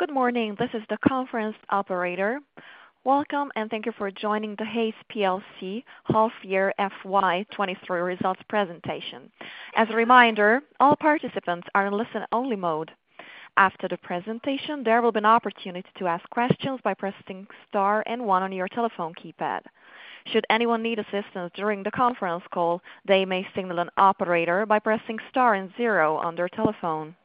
Good morning. This is the conference operator. Welcome, thank you for joining the Hays plc half-year FY 2023 results presentation. As a reminder, all participants are in listen-only mode. After the presentation, there will be an opportunity to ask questions by pressing star and one on your telephone keypad. Should anyone need assistance during the conference call, they may signal an operator by pressing star and zero on your telephone.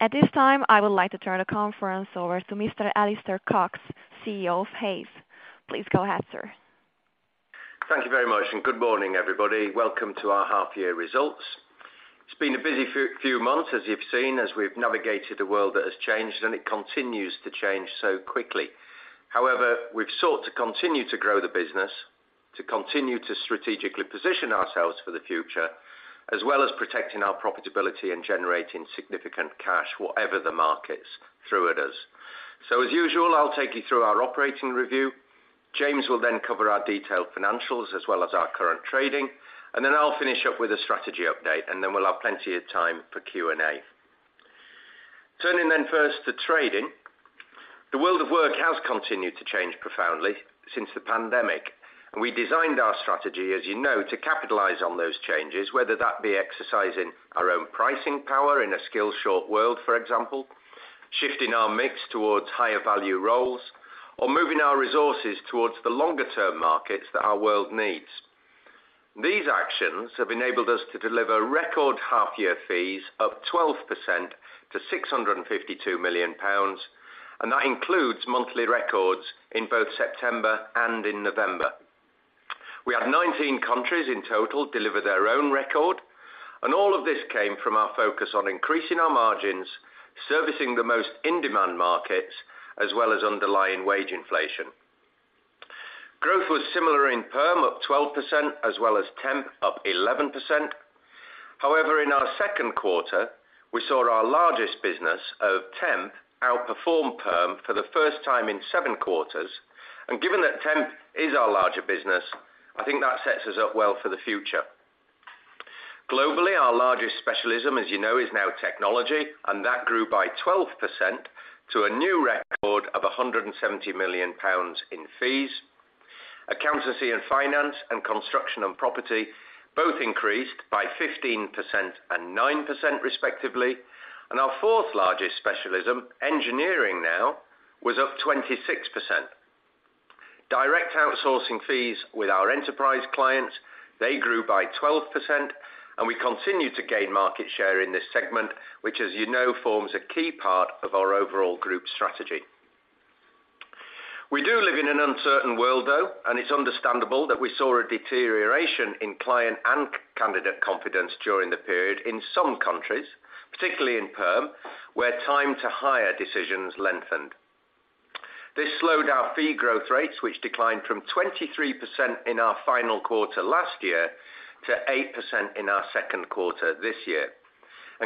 At this time, I would like to turn the conference over to Mr. Alistair Cox, CEO of Hays. Please go ahead, sir. Thank you very much. Good morning, everybody. Welcome to our half year results. It's been a busy few months, as you've seen, as we've navigated a world that has changed. It continues to change so quickly. However, we've sought to continue to grow the business, to continue to strategically position ourselves for the future, as well as protecting our profitability and generating significant cash, whatever the markets throw at us. As usual, I'll take you through our operating review. James will then cover our detailed financials as well as our current trading. Then I'll finish up with a strategy update. Then we'll have plenty of time for Q&A. Turning then first to trading. The world of work has continued to change profoundly since the pandemic. We designed our strategy, as you know, to capitalize on those changes, whether that be exercising our own pricing power in a skill-short world, for example, shifting our mix towards higher value roles, or moving our resources towards the longer-term markets that our world needs. These actions have enabled us to deliver record half-year fees up 12% to 652 million pounds. That includes monthly records in both September and in November. We had 19 countries in total deliver their own record. All of this came from our focus on increasing our margins, servicing the most in-demand markets, as well as underlying wage inflation. Growth was similar in perm, up 12%, as well as temp, up 11%. However, in our Q2, we saw our largest business of temp outperform perm for the first time in seven quarters. Given that temp is our larger business, I think that sets us up well for the future. Globally, our largest specialism, as you know, is now technology. That grew by 12% to a new record of 170 million pounds in fees. Accountancy and finance and construction and property both increased by 15% and 9%, respectively. Our fourth-largest specialism, engineering now, was up 26%. Direct outsourcing fees with our enterprise clients, they grew by 12%. We continue to gain market share in this segment, which, as you know, forms a key part of our overall group strategy. We do live in an uncertain world, though. It's understandable that we saw a deterioration in client and candidate confidence during the period in some countries, particularly in perm, where time to hire decisions lengthened. This slowed our fee growth rates, which declined from 23% in our final quarter last year to 8% in our Q2 this year.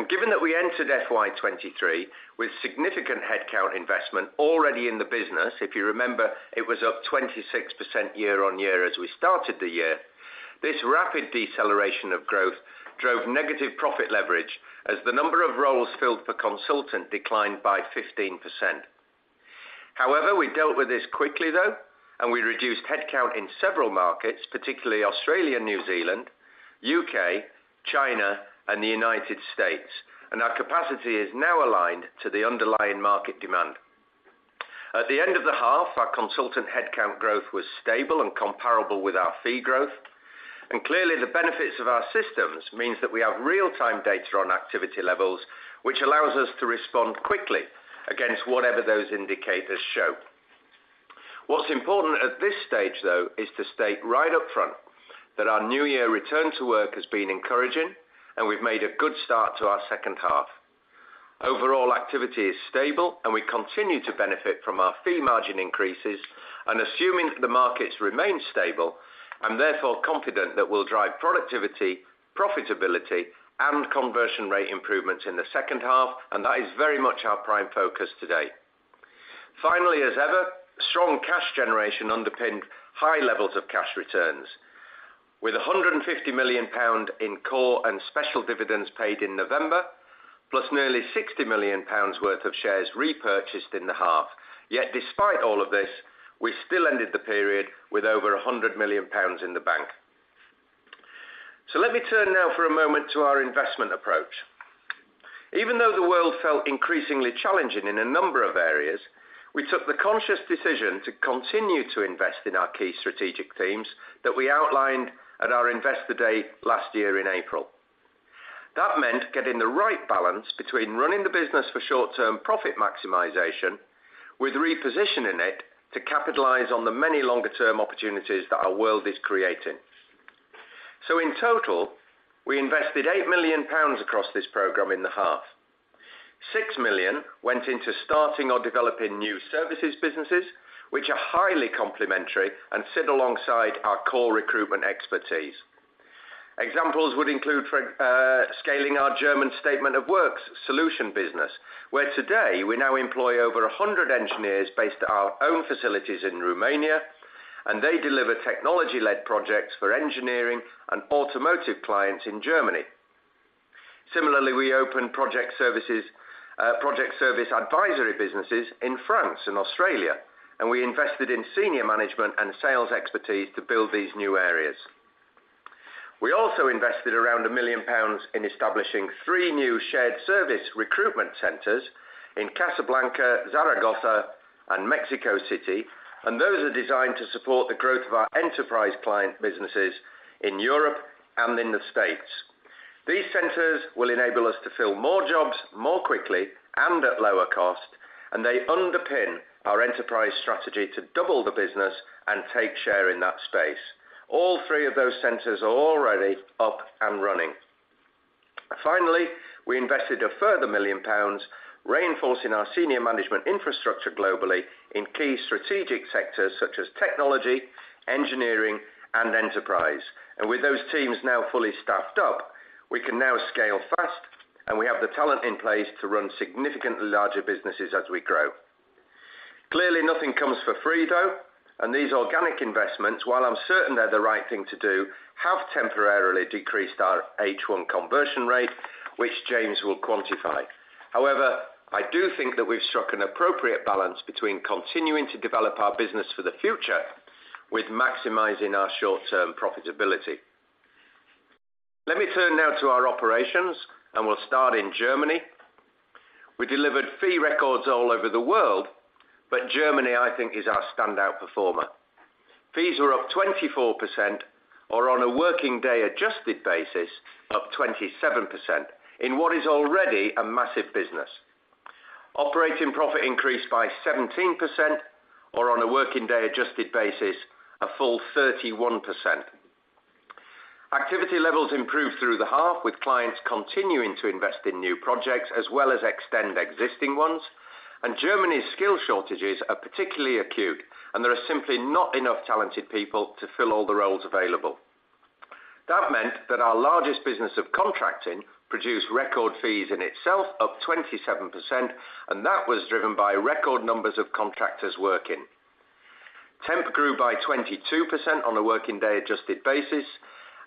Given that we entered FY 2023 with significant headcount investment already in the business, if you remember, it was up 26% year-on-year as we started the year. This rapid deceleration of growth drove negative profit leverage as the number of roles filled per consultant declined by 15%. However, we dealt with this quickly, though, we reduced headcount in several markets, particularly Australia and New Zealand, U.K., China, and the U.S. Our capacity is now aligned to the underlying market demand. At the end of the half, our consultant headcount growth was stable and comparable with our fee growth. Clearly, the benefits of our systems means that we have real-time data on activity levels, which allows us to respond quickly against whatever those indicators show. What's important at this stage, though, is to state right up front that our new year return to work has been encouraging, and we've made a good start to our second half. Overall activity is stable, and we continue to benefit from our fee margin increases. Assuming the markets remain stable and therefore confident that we'll drive productivity, profitability, and conversion rate improvements in the second half, and that is very much our prime focus today. Finally, as ever, strong cash generation underpinned high levels of cash returns with 150 million pound in core and special dividends paid in November, plus nearly 60 million pounds worth of shares repurchased in the half. Despite all of this, we still ended the period with over 100 million pounds in the bank. Let me turn now for a moment to our investment approach. Even though the world felt increasingly challenging in a number of areas, we took the conscious decision to continue to invest in our key strategic themes that we outlined at our Investor Day last year in April. That meant getting the right balance between running the business for short-term profit maximization, with repositioning it to capitalize on the many longer-term opportunities that our world is creating. In total, we invested 8 million pounds across this program in the half. 6 million went into starting or developing new services businesses, which are highly complementary and sit alongside our core recruitment expertise. Examples would include for scaling our German Statement of Works solution business, where today we now employ over 100 engineers based at our own facilities in Romania, and they deliver technology-led projects for engineering and automotive clients in Germany. Similarly, we opened project services, project service advisory businesses in France and Australia, and we invested in senior management and sales expertise to build these new areas. We also invested around 1 million pounds in establishing three new shared service recruitment centers in Casablanca, Zaragoza, and Mexico City, and those are designed to support the growth of our enterprise client businesses in Europe and in the States. These centers will enable us to fill more jobs more quickly and at lower cost, and they underpin our enterprise strategy to double the business and take share in that space. All three of those centers are already up and running. Finally, we invested a further 1 million pounds reinforcing our senior management infrastructure globally in key strategic sectors such as technology, engineering, and enterprise. With those teams now fully staffed up, we can now scale fast, and we have the talent in place to run significantly larger businesses as we grow. Clearly, nothing comes for free though, and these organic investments, while I'm certain they're the right thing to do, have temporarily decreased our H1 conversion rate, which James will quantify. I do think that we've struck an appropriate balance between continuing to develop our business for the future with maximizing our short-term profitability. Let me turn now to our operations. We'll start in Germany. We delivered fee records all over the world, but Germany, I think, is our standout performer. Fees are up 24% or on a working day adjusted basis, up 27%, in what is already a massive business. Operating profit increased by 17% or on a working day adjusted basis, a full 31%. Activity levels improved through the half, with clients continuing to invest in new projects as well as extend existing ones. Germany's skill shortages are particularly acute, and there are simply not enough talented people to fill all the roles available. That meant that our largest business of contracting produced record fees in itself, up 27%, and that was driven by record numbers of contractors working. Temp grew by 22% on a working day adjusted basis,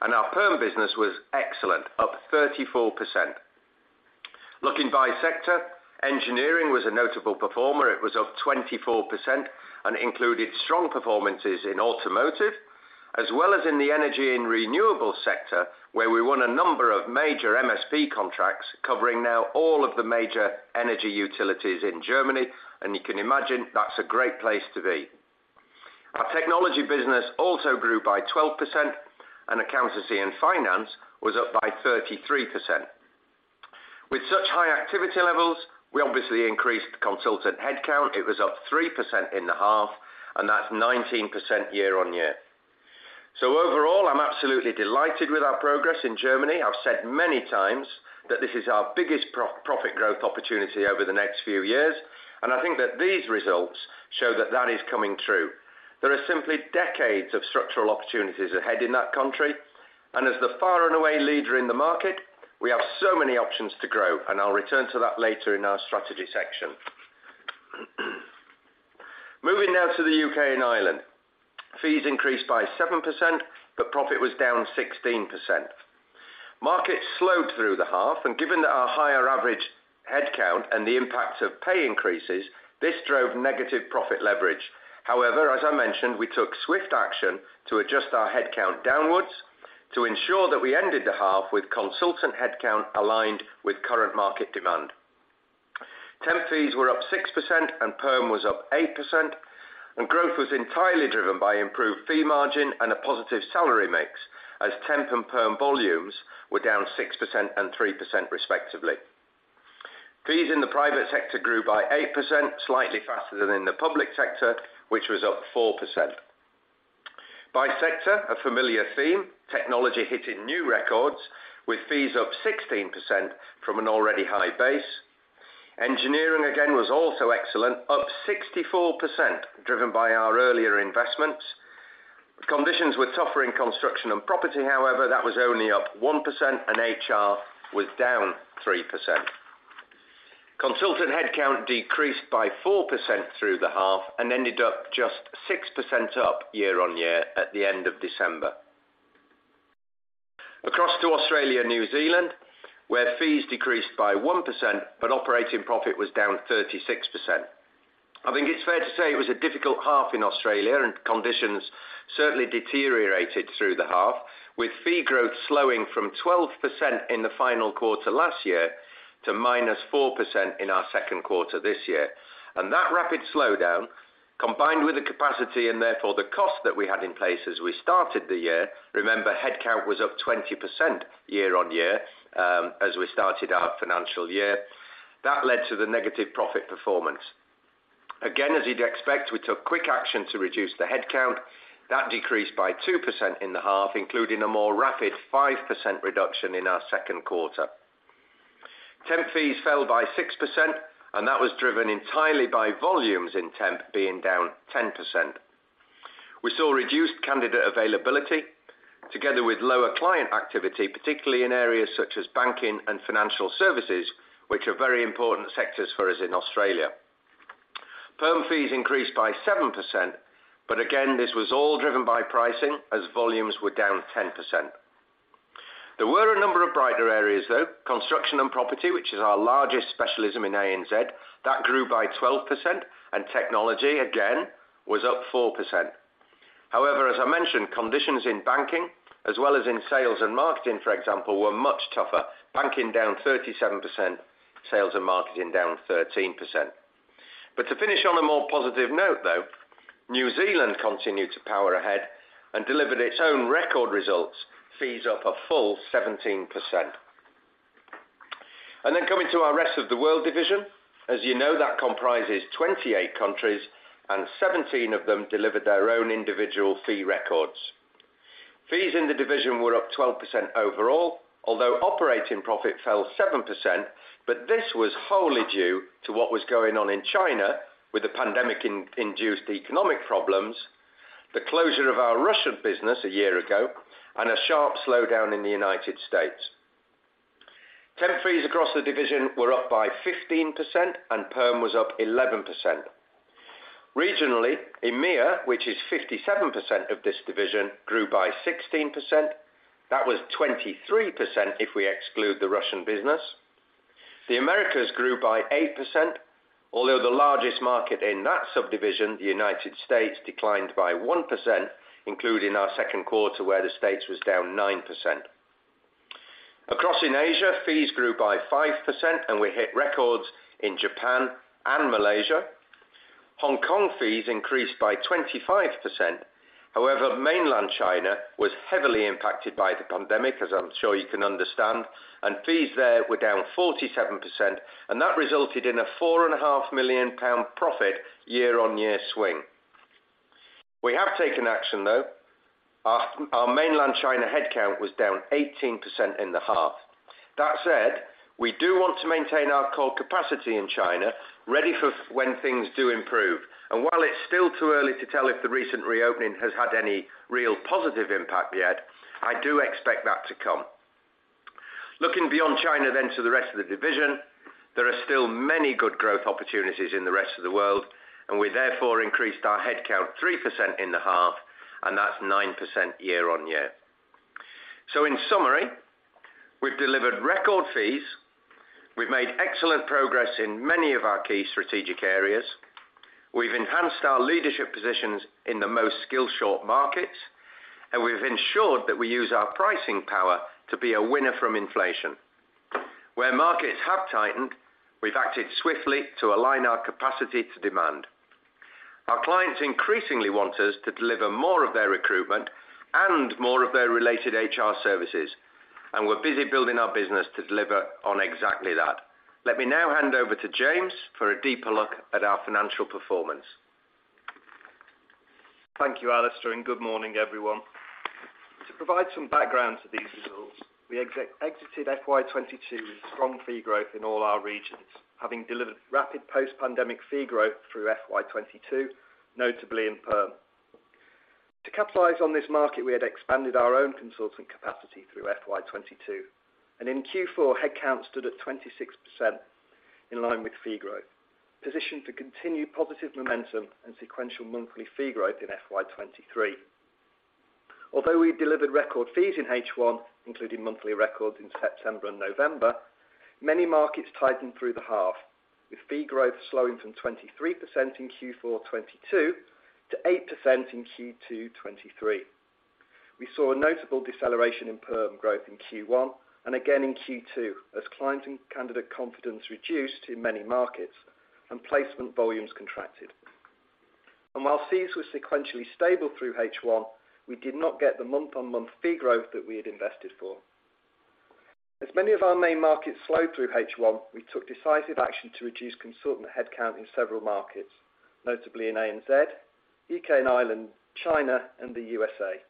and our perm business was excellent, up 34%. Looking by sector, engineering was a notable performer. It was up 24% and included strong performances in automotive as well as in the energy and renewable sector, where we won a number of major MSP contracts covering now all of the major energy utilities in Germany, you can imagine that's a great place to be. Our technology business also grew by 12%, accountancy and finance was up by 33%. With such high activity levels, we obviously increased consultant headcount. It was up 3% in the half, that's 19% year-on-year. Overall, I'm absolutely delighted with our progress in Germany. I've said many times that this is our biggest pro-profit growth opportunity over the next few years, I think that these results show that that is coming true. There are simply decades of structural opportunities ahead in that country. As the far and away leader in the market, we have so many options to grow, and I'll return to that later in our strategy section. Moving now to the U.K. and Ireland. Fees increased by 7%, but profit was down 16%. Markets slowed through the half, and given that our higher average headcount and the impact of pay increases, this drove negative profit leverage. However, as I mentioned, we took swift action to adjust our headcount downwards to ensure that we ended the half with consultant headcount aligned with current market demand. Temp fees were up 6% and perm was up 8%, and growth was entirely driven by improved fee margin and a positive salary mix as temp and perm volumes were down 6% and 3% respectively. Fees in the private sector grew by 8%, slightly faster than in the public sector, which was up 4%. By sector, a familiar theme, technology hitting new records with fees up 16% from an already high base. Engineering, again, was also excellent, up 64%, driven by our earlier investments. Conditions were tougher in construction and property, however, that was only up 1%, and HR was down 3%. Consultant headcount decreased by 4% through the half and ended up just 6% up year on year at the end of December. Across to Australia and New Zealand, where fees decreased by 1%, but operating profit was down 36%. I think it's fair to say it was a difficult half in Australia, conditions certainly deteriorated through the half, with fee growth slowing from 12% in the final quarter last year to -4% in our Q2 this year. That rapid slowdown, combined with the capacity and therefore the cost that we had in place as we started the year, remember, headcount was up 20% year-on-year, as we started our financial year, that led to the negative profit performance. Again, as you'd expect, we took quick action to reduce the headcount. That decreased by 2% in the half, including a more rapid 5% reduction in our Q2. Temp fees fell by 6%, and that was driven entirely by volumes in temp being down 10%. We saw reduced candidate availability together with lower client activity, particularly in areas such as banking and financial services, which are very important sectors for us in Australia. Perm fees increased by 7%, but again, this was all driven by pricing as volumes were down 10%. There were a number of brighter areas, though. Construction and property, which is our largest specialism in ANZ, that grew by 12%, and technology, again, was up 4%. However, as I mentioned, conditions in banking as well as in sales and marketing, for example, were much tougher. Banking down 37%, sales and marketing down 13%. To finish on a more positive note, though, New Zealand continued to power ahead and delivered its own record results, fees up a full 17%. Coming to our Rest of the World division. As you know, that comprises 28 countries, and 17 of them delivered their own individual fee records. Fees in the division were up 12% overall, although operating profit fell 7%, but this was wholly due to what was going on in China with the pandemic-induced economic problems, the closure of our Russian business a year ago, and a sharp slowdown in the United States. Temp fees across the division were up by 15%, and perm was up 11%. Regionally, EMEA, which is 57% of this division, grew by 16%. That was 23% if we exclude the Russian business. The Americas grew by 8%, although the largest market in that subdivision, the United States, declined by 1%, including our Q2, where the States was down 9%. Across in Asia, fees grew by 5%, we hit records in Japan and Malaysia. Hong Kong fees increased by 25%. However, mainland China was heavily impacted by the pandemic, as I'm sure you can understand, fees there were down 47%, that resulted in a four and a half million pound profit year-on-year swing. We have taken action, though. Our mainland China headcount was down 18% in the half. That said, we do want to maintain our core capacity in China ready for when things do improve. While it's still too early to tell if the recent reopening has had any real positive impact yet, I do expect that to come. Looking beyond China to the Rest of the World division, there are still many good growth opportunities in the Rest of the World, and we therefore increased our headcount 3% in the half, and that's 9% year-on-year. In summary, we've delivered record fees, we've made excellent progress in many of our key strategic areas, we've enhanced our leadership positions in the most skill-short markets, and we've ensured that we use our pricing power to be a winner from inflation. Where markets have tightened, we've acted swiftly to align our capacity to demand. Our clients increasingly want us to deliver more of their recruitment and more of their related HR services, and we're busy building our business to deliver on exactly that. Let me now hand over to James for a deeper look at our financial performance. Thank you, Alistair, good morning, everyone. To provide some background to these results, we exited FY 2022 with strong fee growth in all our regions, having delivered rapid post-pandemic fee growth through FY 2022, notably in perm. To capitalize on this market, we had expanded our own consultant capacity through FY 2022, and in Q4 headcount stood at 26% in line with fee growth, positioned to continue positive momentum and sequential monthly fee growth in FY 2023. Although we delivered record fees in H1, including monthly records in September and November, many markets tightened through the half, with fee growth slowing from 23% in Q4 2022 to 8% in Q2 2023. We saw a notable deceleration in perm growth in Q1 and again in Q2 as client and candidate confidence reduced in many markets and placement volumes contracted. While fees were sequentially stable through H1, we did not get the month-on-month fee growth that we had invested for. As many of our main markets slowed through H1, we took decisive action to reduce consultant headcount in several markets, notably in ANZ, U.K. and Ireland, China, and the U.S.A.,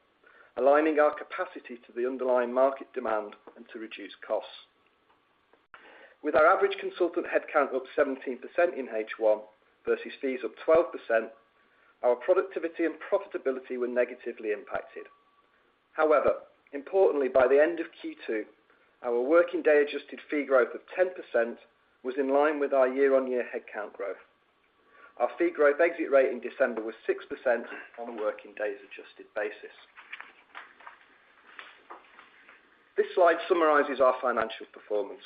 aligning our capacity to the underlying market demand and to reduce costs. With our average consultant headcount up 17% in H1 versus fees up 12%, our productivity and profitability were negatively impacted. However, importantly, by the end of Q2, our working day-adjusted fee growth of 10% was in line with our year-on-year headcount growth. Our fee growth exit rate in December was 6% on a working days adjusted basis. This slide summarizes our financial performance.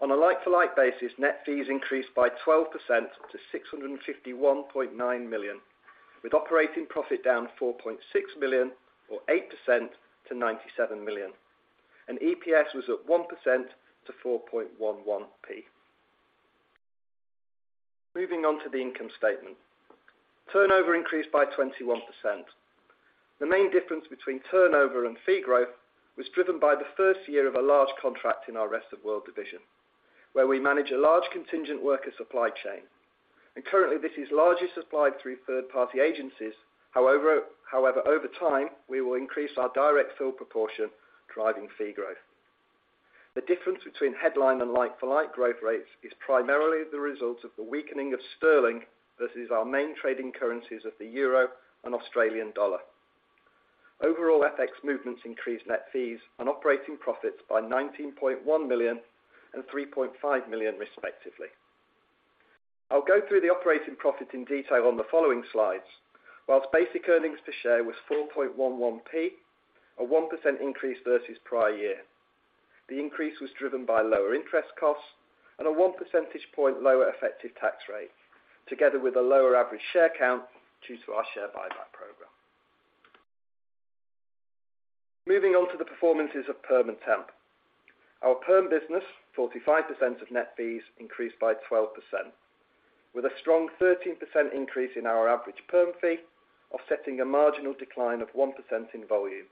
On a like-for-like basis, net fees increased by 12% to 651.9 million, with operating profit down 4.6 million or 8% to 97 million, and EPS was at 1% to 4.11p. Moving on to the income statement. Turnover increased by 21%. The main difference between turnover and fee growth was driven by the first year of a large contract in our Rest of the World division, where we manage a large contingent worker supply chain. Currently, this is largely supplied through third-party agencies. However, over time, we will increase our direct fill proportion, driving fee growth. The difference between headline and like-for-like growth rates is primarily the result of the weakening of sterling versus our main trading currencies of the EUR and AUD. Overall FX movements increased net fees and operating profits by 19.1 million and 3.5 million respectively. I'll go through the operating profit in detail on the following slides. Whilst basic earnings per share was 0.0411, a 1% increase versus prior year. The increase was driven by lower interest costs and a 1 percentage point lower effective tax rate, together with a lower average share count due to our share buyback program. Moving on to the performances of perm and temp. Our perm business, 45% of net fees, increased by 12%, with a strong 13% increase in our average perm fee, offsetting a marginal decline of 1% in volume.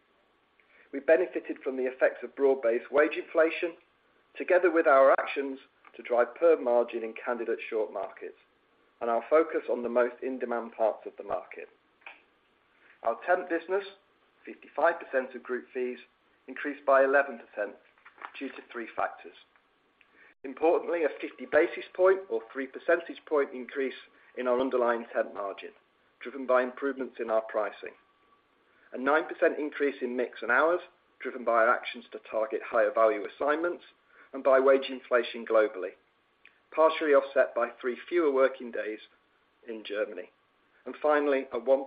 We benefited from the effects of broad-based wage inflation together with our actions to drive perm margin in candidate short markets and our focus on the most in-demand parts of the market. Our temp business, 55% of group fees, increased by 11% due to three factors. Importantly, a 50 basis point or 3 percentage point increase in our underlying temp margin, driven by improvements in our pricing. A 9% increase in mix and hours, driven by our actions to target higher value assignments and by wage inflation globally, partially offset by three fewer working days in Germany. Finally, a 1%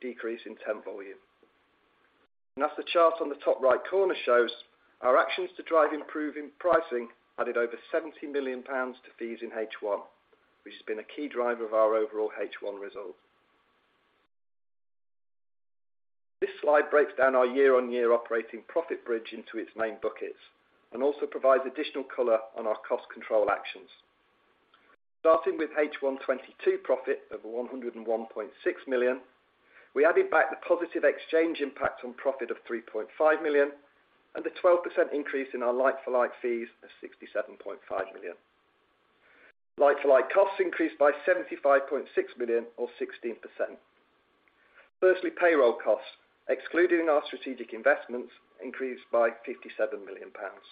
decrease in temp volume. As the chart on the top right corner shows, our actions to drive improving pricing added over 70 million pounds to fees in H1, which has been a key driver of our overall H1 results. This slide breaks down our year-on-year operating profit bridge into its main buckets and also provides additional color on our cost control actions. Starting with H1 2022 profit of 101.6 million, we added back the positive exchange impact on profit of 3.5 million and the 12% increase in our like-for-like fees of 67.5 million. Like-for-like costs increased by 75.6 million or 16%. Firstly, payroll costs, excluding our strategic investments, increased by 57 million pounds.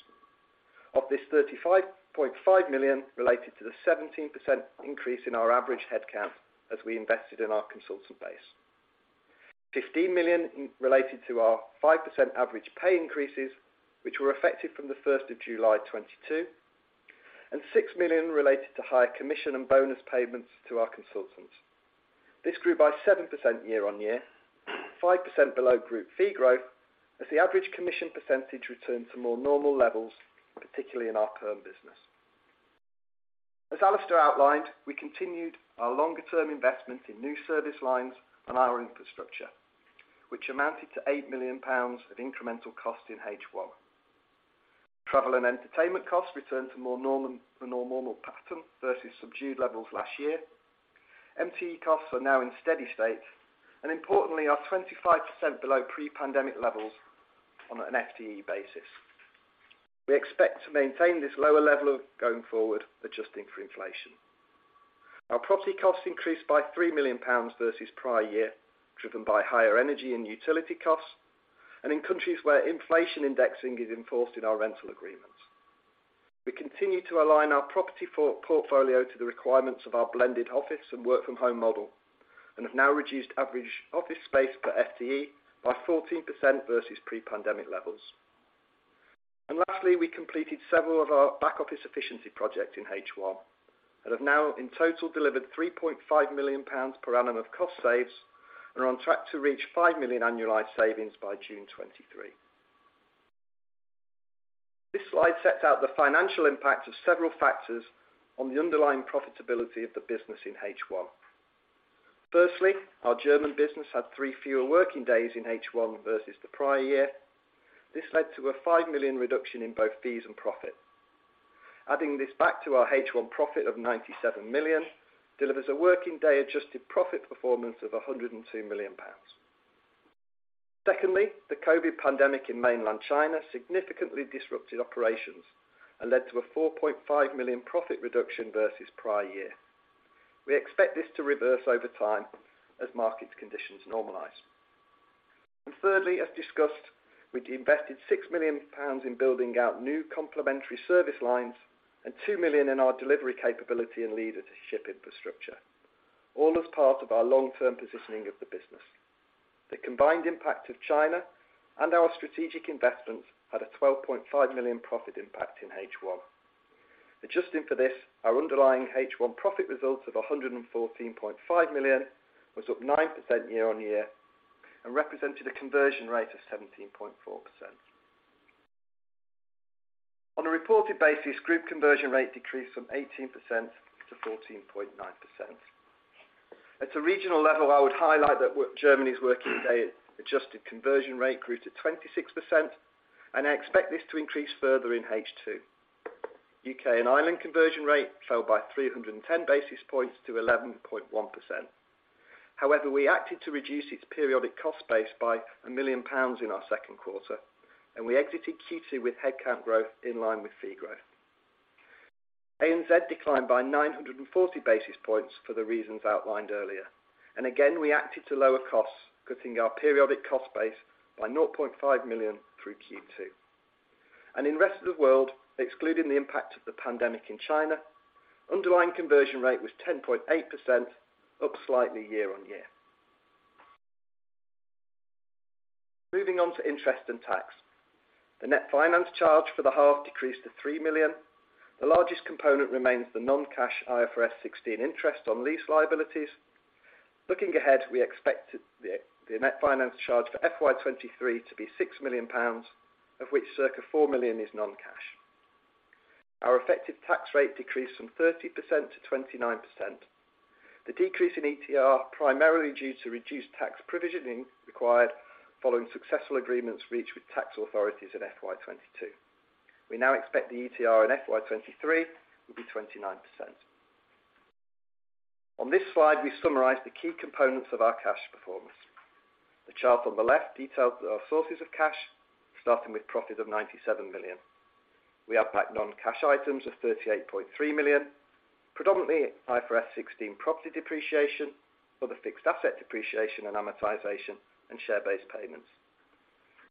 Of this, 35.5 million related to the 17% increase in our average headcount as we invested in our consultant base. 15 million related to our 5% average pay increases, which were effective from the 1st of July 2022, and 6 million related to higher commission and bonus payments to our consultants. This grew by 7% year-on-year, 5% below group fee growth as the average commission percentage returned to more normal levels, particularly in our perm business. As Alistair outlined, we continued our longer term investment in new service lines and our infrastructure, which amounted to 8 million pounds of incremental cost in H1. Travel and entertainment costs returned to more normal pattern versus subdued levels last year. MTE costs are now in steady-state and importantly are 25% below pre-pandemic levels on an FTE basis. We expect to maintain this lower level of going forward, adjusting for inflation. Our property costs increased by 3 million pounds versus prior year, driven by higher energy and utility costs, in countries where inflation indexing is enforced in our rental agreements. We continue to align our property for portfolio to the requirements of our blended office and work from home model and have now reduced average office space per FTE by 14% versus pre-pandemic levels. Lastly, we completed several of our back office efficiency projects in H1 and have now in total delivered 3.5 million pounds per annum of cost saves and are on track to reach 5 million annualized savings by June 2023. This slide sets out the financial impact of several factors on the underlying profitability of the business in H1. Firstly, our German business had three fewer working days in H1 versus the prior year. This led to a 5 million reduction in both fees and profit. Adding this back to our H1 profit of 97 million delivers a working day adjusted profit performance of 102 million pounds. Secondly, the COVID pandemic in mainland China significantly disrupted operations and led to a 4.5 million profit reduction versus prior year. We expect this to reverse over time as market conditions normalize. Thirdly, as discussed, we invested 6 million pounds in building out new complementary service lines and 2 million in our delivery capability and leadership infrastructure, all as part of our long-term positioning of the business. The combined impact of China and our strategic investments had a 12.5 million profit impact in H1. Adjusting for this, our underlying H1 profit results of 114.5 million was up 9% year-on-year and represented a conversion rate of 17.4%. On a reported basis, group conversion rate decreased from 18% to 14.9%. At a regional level, I would highlight that Germany's working day adjusted conversion rate grew to 26%, and I expect this to increase further in H2. U.K. and Ireland conversion rate fell by 310 basis points to 11.1%. However, we acted to reduce its periodic cost base by 1 million pounds in our Q2, and we exited Q2 with headcount growth in line with fee growth. ANZ declined by 940 basis points for the reasons outlined earlier, and again, we acted to lower costs, cutting our periodic cost base by 0.5 million through Q2. In Rest of the World, excluding the impact of the pandemic in China, underlying conversion rate was 10.8%, up slightly year-on-year. Moving on to interest and tax. The net finance charge for the half decreased to 3 million. The largest component remains the non-cash IFRS 16 interest on lease liabilities. Looking ahead, we expect the net finance charge for FY 2023 to be 6 million pounds, of which circa 4 million is non-cash. Our effective tax rate decreased from 30% to 29%. The decrease in ETR primarily due to reduced tax provisioning required following successful agreements reached with tax authorities in FY 2022. We now expect the ETR in FY 2023 will be 29%. On this slide, we summarize the key components of our cash performance. The chart on the left details our sources of cash, starting with profit of 97 million. We have non-cash items of 38.3 million, predominantly IFRS 16 property depreciation, other fixed asset depreciation and amortization, and share-based payments.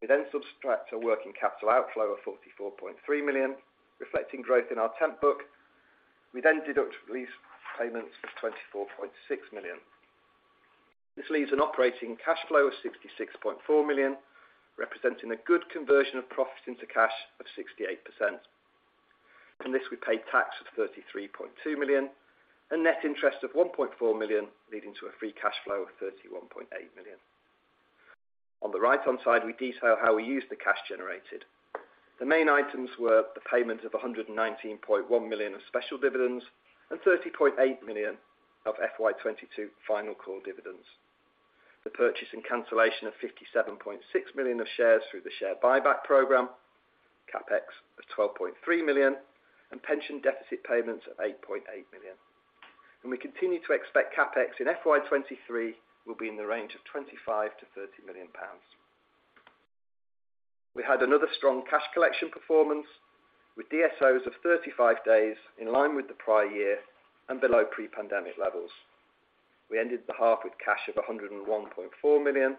We subtract a working capital outflow of 44.3 million, reflecting growth in our temp book. We deduct lease payments of 24.6 million. This leaves an operating cash flow of 66.4 million, representing a good conversion of profit into cash of 68%. From this, we pay tax of 33.2 million, and net interest of 1.4 million, leading to a free cash flow of 31.8 million. On the right-hand side, we detail how we use the cash generated. The main items were the payment of 119.1 million of special dividends and 30.8 million of FY 2022 final call dividends. The purchase and cancellation of 57.6 million of shares through the share buyback program, CapEx of 12.3 million, and pension deficit payments of 8.8 million. We continue to expect CapEx in FY 2023 will be in the range of 25 million to 30 million pounds. We had another strong cash collection performance with DSOs of 35 days, in line with the prior year and below pre-pandemic levels. We ended the half with cash of 101.4 million,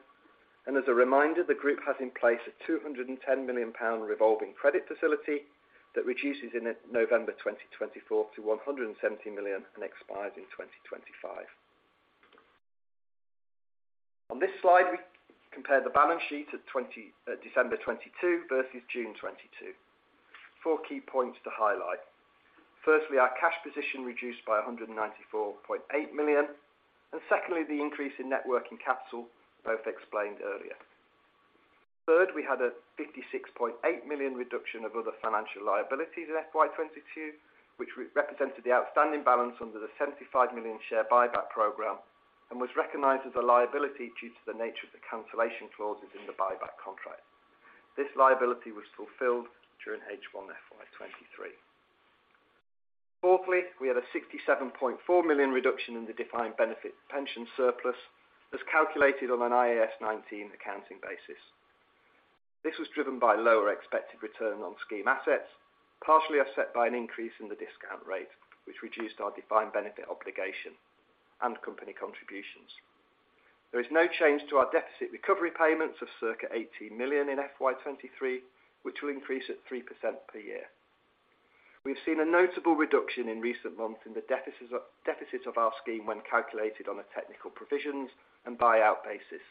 and as a reminder, the group has in place a 210 million pound revolving credit facility that reduces in November 2024 to 170 million and expires in 2025. On this slide, we compare the balance sheet at December 2022 versus June 2022. Four key points to highlight. Firstly, our cash position reduced by 194.8 million, and secondly, the increase in net working capital, both explained earlier. Third, we had a 56.8 million reduction of other financial liabilities in FY 2022, which re-represented the outstanding balance under the 75 million share buyback program and was recognized as a liability due to the nature of the cancellation clauses in the buyback contract. This liability was fulfilled during H1 FY 2023. Fourthly, we had a 67.4 million reduction in the defined benefit pension surplus as calculated on an IAS 19 accounting basis. This was driven by lower expected return on scheme assets, partially offset by an increase in the discount rate which reduced our defined benefit obligation and company contributions. There is no change to our deficit recovery payments of circa 18 million in FY 2023 which will increase at 3% per year. We have seen a notable reduction in recent months in the deficit of our scheme when calculated on a technical provisions and buyout basis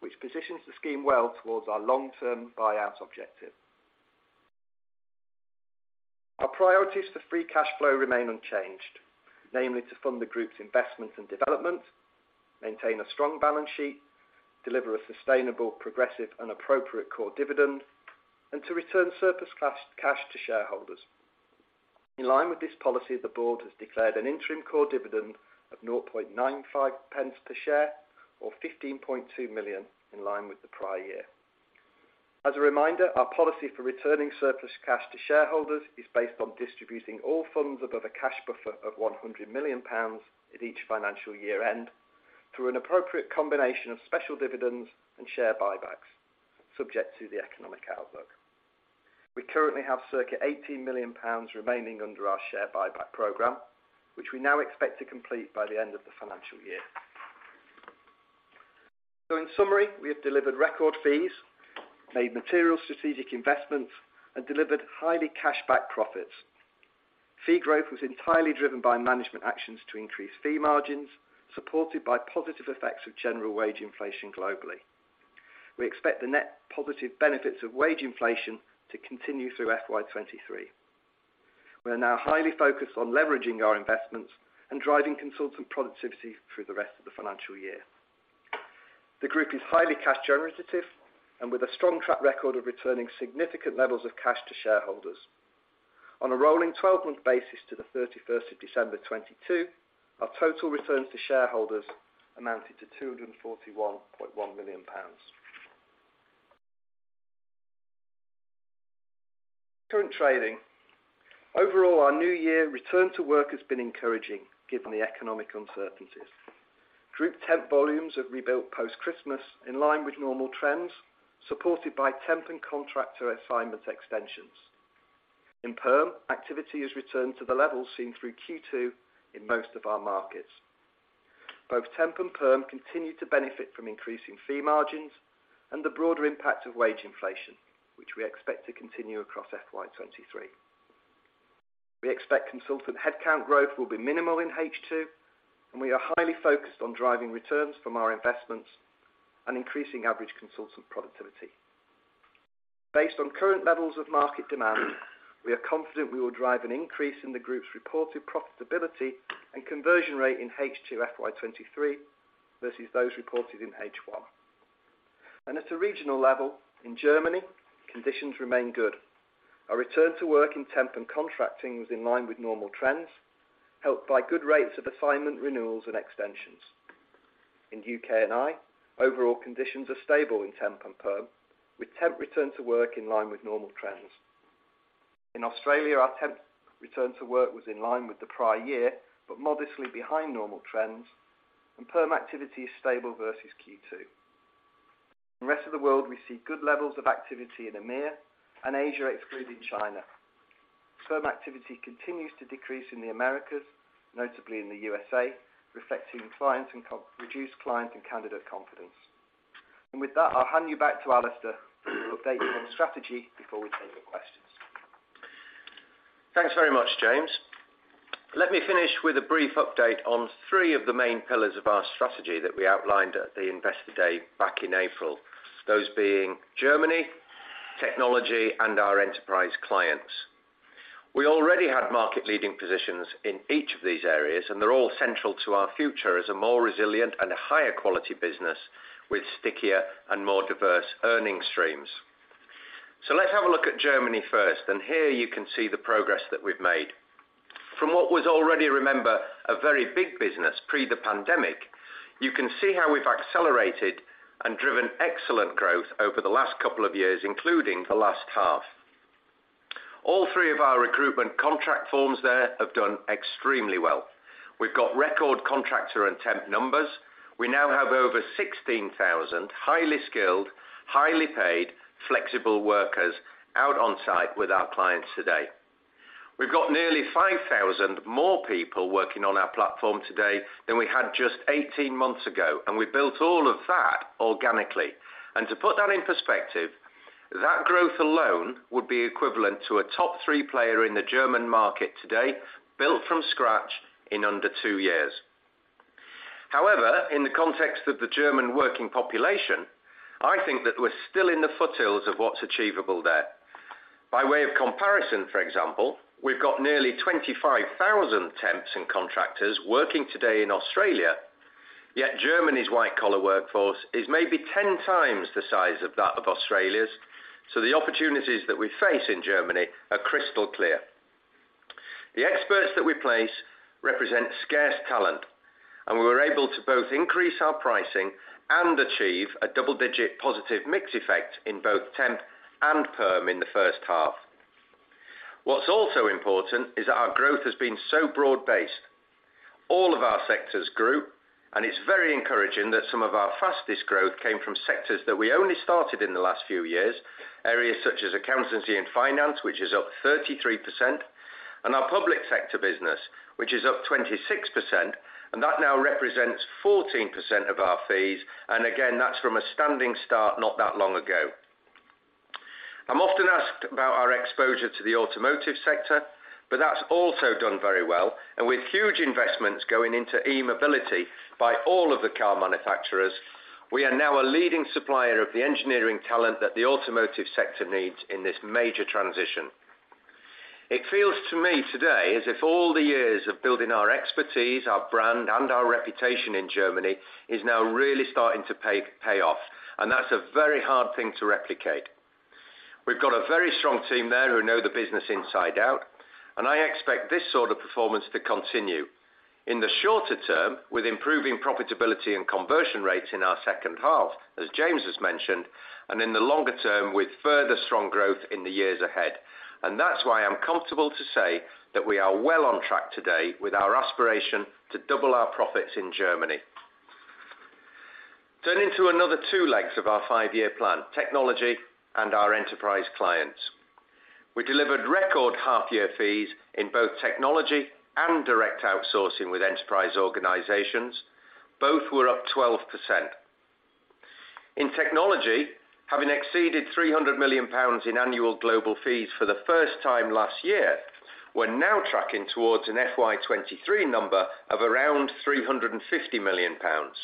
which positions the scheme well towards our long-term buyout objective. Our priorities for free cash flow remain unchanged, namely to fund the group's investment and development, maintain a strong balance sheet, deliver a sustainable, progressive, and appropriate core dividend, and to return surplus cash to shareholders. In line with this policy, the board has declared an interim core dividend of 0.95 pence per share or 15.2 million in line with the prior year. As a reminder, our policy for returning surplus cash to shareholders is based on distributing all funds above a cash buffer of 100 million pounds at each financial year-end through an appropriate combination of special dividends and share buybacks subject to the economic outlook. We currently have circa 18 million pounds remaining under our share buyback program which we now expect to complete by the end of the financial year. In summary, we have delivered record fees, made material strategic investments and delivered highly cash back profits. Fee growth was entirely driven by management actions to increase fee margins supported by positive effects of general wage inflation globally. We expect the net positive benefits of wage inflation to continue through FY 2023. We are now highly focused on leveraging our investments and driving consultant productivity through the rest of the financial year. The group is highly cash generative and with a strong track record of returning significant levels of cash to shareholders. On a rolling 12-month basis to the 31st of December 2022, our total returns to shareholders amounted to GBP 241.1 million. Current trading. Overall, our new year return to work has been encouraging given the economic uncertainties. Group temp volumes have rebuilt post-Christmas in line with normal trends supported by temp and contractor assignment extensions. In perm, activity has returned to the levels seen through Q2 in most of our markets. Both temp and perm continue to benefit from increasing fee margins and the broader impact of wage inflation, which we expect to continue across FY 2023. We expect consultant headcount growth will be minimal in H2, and we are highly focused on driving returns from our investments and increasing average consultant productivity. Based on current levels of market demand, we are confident we will drive an increase in the group's reported profitability and conversion rate in H2 FY 2023 versus those reported in H1. At a regional level, in Germany, conditions remain good. Our return to work in temp and contracting was in line with normal trends, helped by good rates of assignment renewals and extensions. In U.K. and I, overall conditions are stable in temp and perm, with temp return to work in line with normal trends. In Australia, our temp return to work was in line with the prior year, but modestly behind normal trends, and perm activity is stable versus Q2. In the Rest of the World, we see good levels of activity in EMEA and Asia, excluding China. Firm activity continues to decrease in the Americas, notably in the U.S.A., reflecting reduced client and candidate confidence. With that, I'll hand you back to Alistair for an update on strategy before we take your questions. Thanks very much, James. Let me finish with a brief update on three of the main pillars of our strategy that we outlined at the Investor Day back in April, those being Germany, technology, and our enterprise clients. We already had market-leading positions in each of these areas, and they're all central to our future as a more resilient and a higher quality business with stickier and more diverse earnings streams. Let's have a look at Germany first, and here you can see the progress that we've made. From what was already, remember, a very big business pre the pandemic, you can see how we've accelerated and driven excellent growth over the last couple of years, including the last half. All three of our recruitment contract forms there have done extremely well. We've got record contractor and temp numbers. We now have over 16,000 highly skilled, highly paid, flexible workers out on-site with our clients today. We've got nearly 5,000 more people working on our platform today than we had just 18 months ago. We built all of that organically. To put that in perspective, that growth alone would be equivalent to a top three player in the German market today, built from scratch in under two years. In the context of the German working population, I think that we're still in the foothills of what's achievable there. By way of comparison, for example, we've got nearly 25,000 temps and contractors working today in Australia, yet Germany's white-collar workforce is maybe 10x the size of that of Australia's. The opportunities that we face in Germany are crystal clear. The experts that we place represent scarce talent, and we were able to both increase our pricing and achieve a double-digit positive mix effect in both temp and perm in the first half. What's also important is that our growth has been so broad-based. All of our sectors grew, and it's very encouraging that some of our fastest growth came from sectors that we only started in the last few years, areas such as accountancy and finance, which is up 33%, and our public sector business, which is up 26%, and that now represents 14% of our fees. Again, that's from a standing start not that long ago. I'm often asked about our exposure to the automotive sector, but that's also done very well. With huge investments going into e-mobility by all of the car manufacturers, we are now a leading supplier of the engineering talent that the automotive sector needs in this major transition. It feels to me today as if all the years of building our expertise, our brand, and our reputation in Germany is now really starting to pay off, and that's a very hard thing to replicate. We've got a very strong team there who know the business inside out, and I expect this sort of performance to continue in the shorter term with improving profitability and conversion rates in our second half, as James has mentioned, and in the longer term with further strong growth in the years ahead. That's why I'm comfortable to say that we are well on track today with our aspiration to double our profits in Germany. Turning to another two legs of our five-year plan, technology and our enterprise clients. We delivered record half-year fees in both technology and direct outsourcing with enterprise organizations. Both were up 12%. In technology, having exceeded 300 million pounds in annual global fees for the first time last year, we're now tracking towards an FY 2023 number of around 350 million pounds.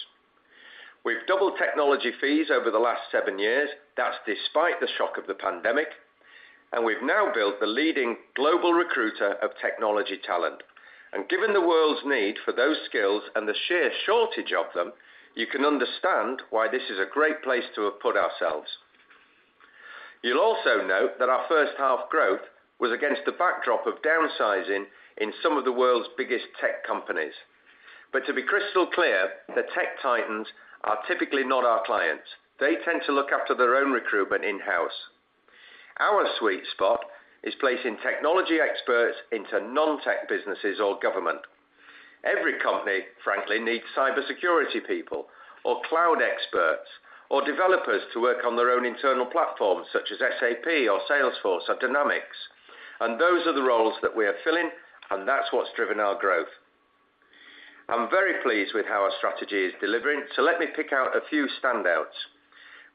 We've doubled technology fees over the last seven years. That's despite the shock of the pandemic. We've now built the leading global recruiter of technology talent. Given the world's need for those skills and the sheer shortage of them, you can understand why this is a great place to have put ourselves. You'll also note that our first half growth was against the backdrop of downsizing in some of the world's biggest tech companies. To be crystal clear, the tech titans are typically not our clients. They tend to look after their own recruitment in-house. Our sweet spot is placing technology experts into non-tech businesses or government. Every company, frankly, needs cybersecurity people or cloud experts or developers to work on their own internal platforms, such as SAP or Salesforce or Dynamics. Those are the roles that we are filling, and that's what's driven our growth. I'm very pleased with how our strategy is delivering. Let me pick out a few standouts.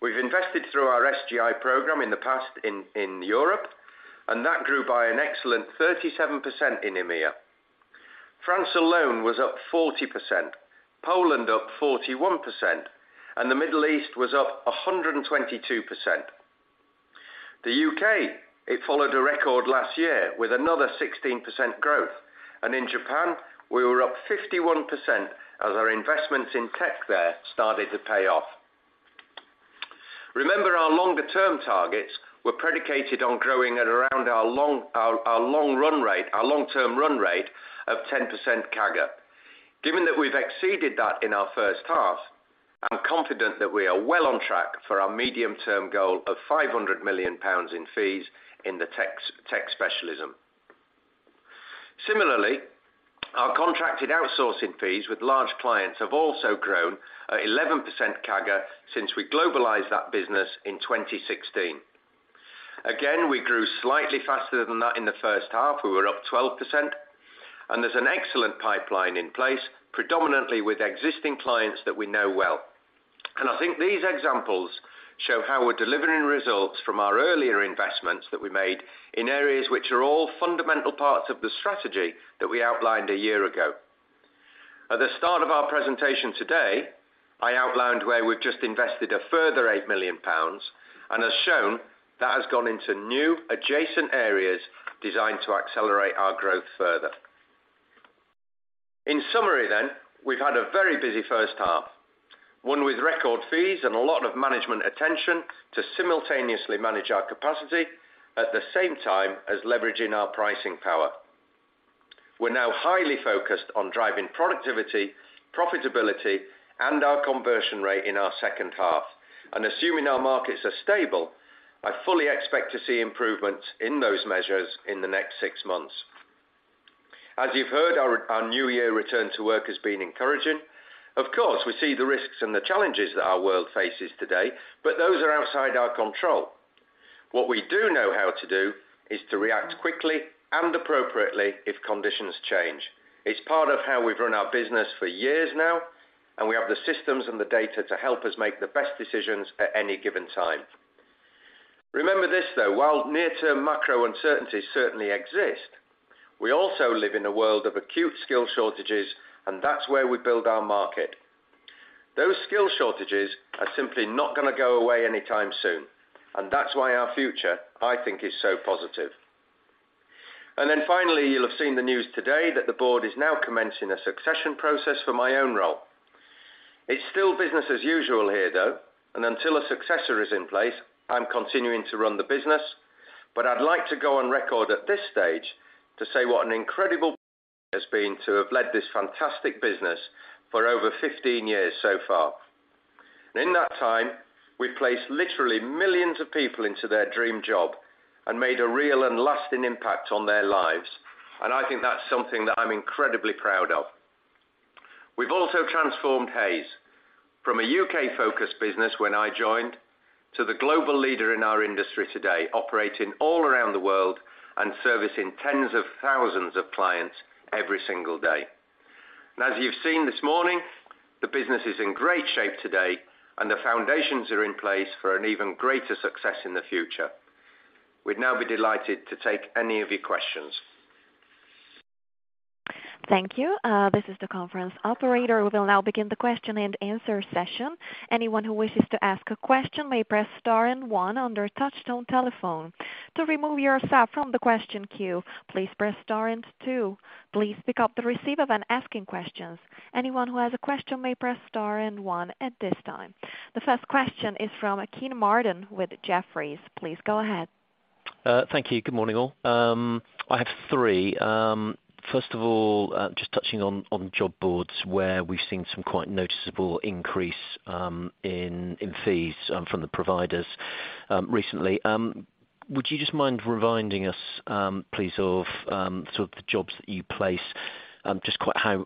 We've invested through our SGI program in the past in Europe, and that grew by an excellent 37% in EMEA. France alone was up 40%, Poland up 41%, and the Middle East was up 122%. The UK, it followed a record last year with another 16% growth. In Japan, we were up 51% as our investments in tech there started to pay off. Remember, our longer-term targets were predicated on growing at around our long run rate, our long-term run rate of 10% CAGR. Given that we've exceeded that in our first half, I'm confident that we are well on track for our medium-term goal of 500 million pounds in fees in the tech specialism. Similarly, our contracted outsourcing fees with large clients have also grown at 11% CAGR since we globalized that business in 2016. We grew slightly faster than that in the first half, we were up 12%. There's an excellent pipeline in place, predominantly with existing clients that we know well. I think these examples show how we're delivering results from our earlier investments that we made in areas which are all fundamental parts of the strategy that we outlined a year ago. At the start of our presentation today, I outlined where we've just invested a further 8 million pounds, and as shown, that has gone into new adjacent areas designed to accelerate our growth further. In summary, we've had a very busy first half, one with record fees and a lot of management attention to simultaneously manage our capacity at the same time as leveraging our pricing power. We're now highly focused on driving productivity, profitability, and our conversion rate in our second half. Assuming our markets are stable, I fully expect to see improvements in those measures in the next six months. As you've heard, our new year return to work has been encouraging. Of course, we see the risks and the challenges that our world faces today, but those are outside our control. What we do know how to do is to react quickly and appropriately if conditions change. It's part of how we've run our business for years now, and we have the systems and the data to help us make the best decisions at any given time. Remember this, though, while near-term macro uncertainties certainly exist, we also live in a world of acute skill shortages, and that's where we build our market. Those skill shortages are simply not gonna go away anytime soon, and that's why our future, I think, is so positive. Finally, you'll have seen the news today that the board is now commencing a succession process for my own role. It's still business as usual here, though, and until a successor is in place, I'm continuing to run the business. I'd like to go on record at this stage to say what an incredible it has been to have led this fantastic business for over 15 years so far. In that time, we've placed literally millions of people into their dream job and made a real and lasting impact on their lives. I think that's something that I'm incredibly proud of. We've also transformed Hays from a U.K.-focused business when I joined to the global leader in our industry today, operating all around the world and servicing tens of thousands of clients every single day. As you've seen this morning, the business is in great shape today, and the foundations are in place for an even greater success in the future. We'd now be delighted to take any of your questions. Thank you. This is the conference operator. We will now begin the Q&A session. Anyone who wishes to ask a question may press star one on their touchtone telephone. To remove yourself from the question queue, please press star two. Please pick up the receiver when asking questions. Anyone who has a question may press star one at this time. The first question is from Kean Marden with Jefferies. Please go ahead. Thank you. Good morning, all. I have three. First of all, just touching on job boards where we've seen some quite noticeable increase in fees from the providers recently. Would you just mind reminding us please of sort of the jobs that you place just quite how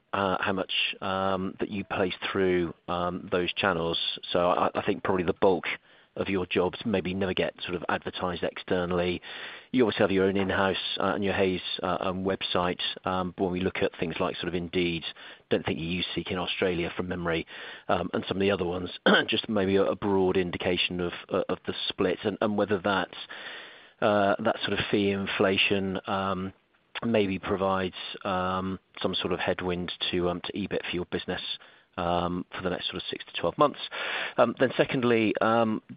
much that you place through those channels? I think probably the bulk of your jobs maybe never get sort of advertised externally. You always have your own in-house and your Hays website. When we look at things like sort of Indeed, don't think you use Seek in Australia from memory, and some of the other ones. Just maybe a broad indication of the split and whether that sort of fee inflation maybe provides some sort of headwind to EBIT for your business for the next sort of 6 to 12 months. Secondly,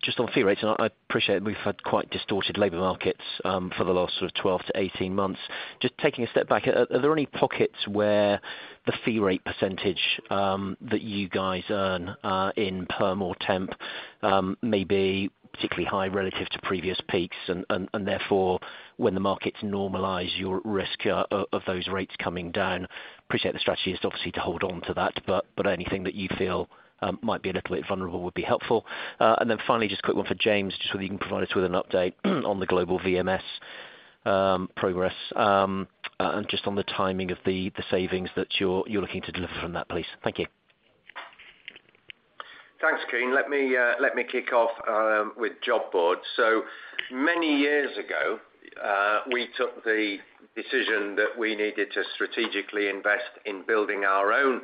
just on fee rates, I appreciate we've had quite distorted labor markets for the last sort of 12 to 18 months. Just taking a step back, are there any pockets where the fee rate percentage that you guys earn in perm or temp may be particularly high relative to previous peaks? Therefore, when the markets normalize your risk of those rates coming down. Appreciate the strategy is obviously to hold on to that, but anything that you feel might be a little bit vulnerable would be helpful. Finally, just quick one for James, just whether you can provide us with an update on the global VMS progress. Just on the timing of the savings that you're looking to deliver from that, please. Thank you. Thanks, Kean. Let me kick off with job boards. Many years ago, we took the decision that we needed to strategically invest in building our own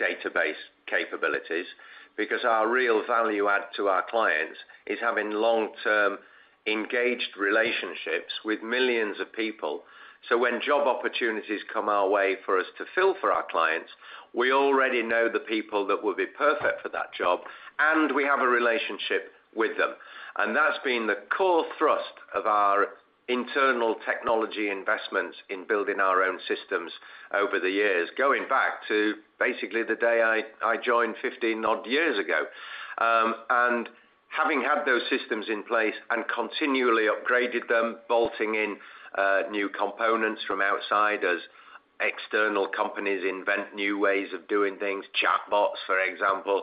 database capabilities, because our real value add to our clients is having long-term, engaged relationships with millions of people. When job opportunities come our way for us to fill for our clients, we already know the people that will be perfect for that job, and we have a relationship with them. That's been the core thrust of our internal technology investments in building our own systems over the years, going back to basically the day I joined 15 odd years ago. Having had those systems in place and continually upgraded them, bolting in new components from outside as external companies invent new ways of doing things, chatbots, for example,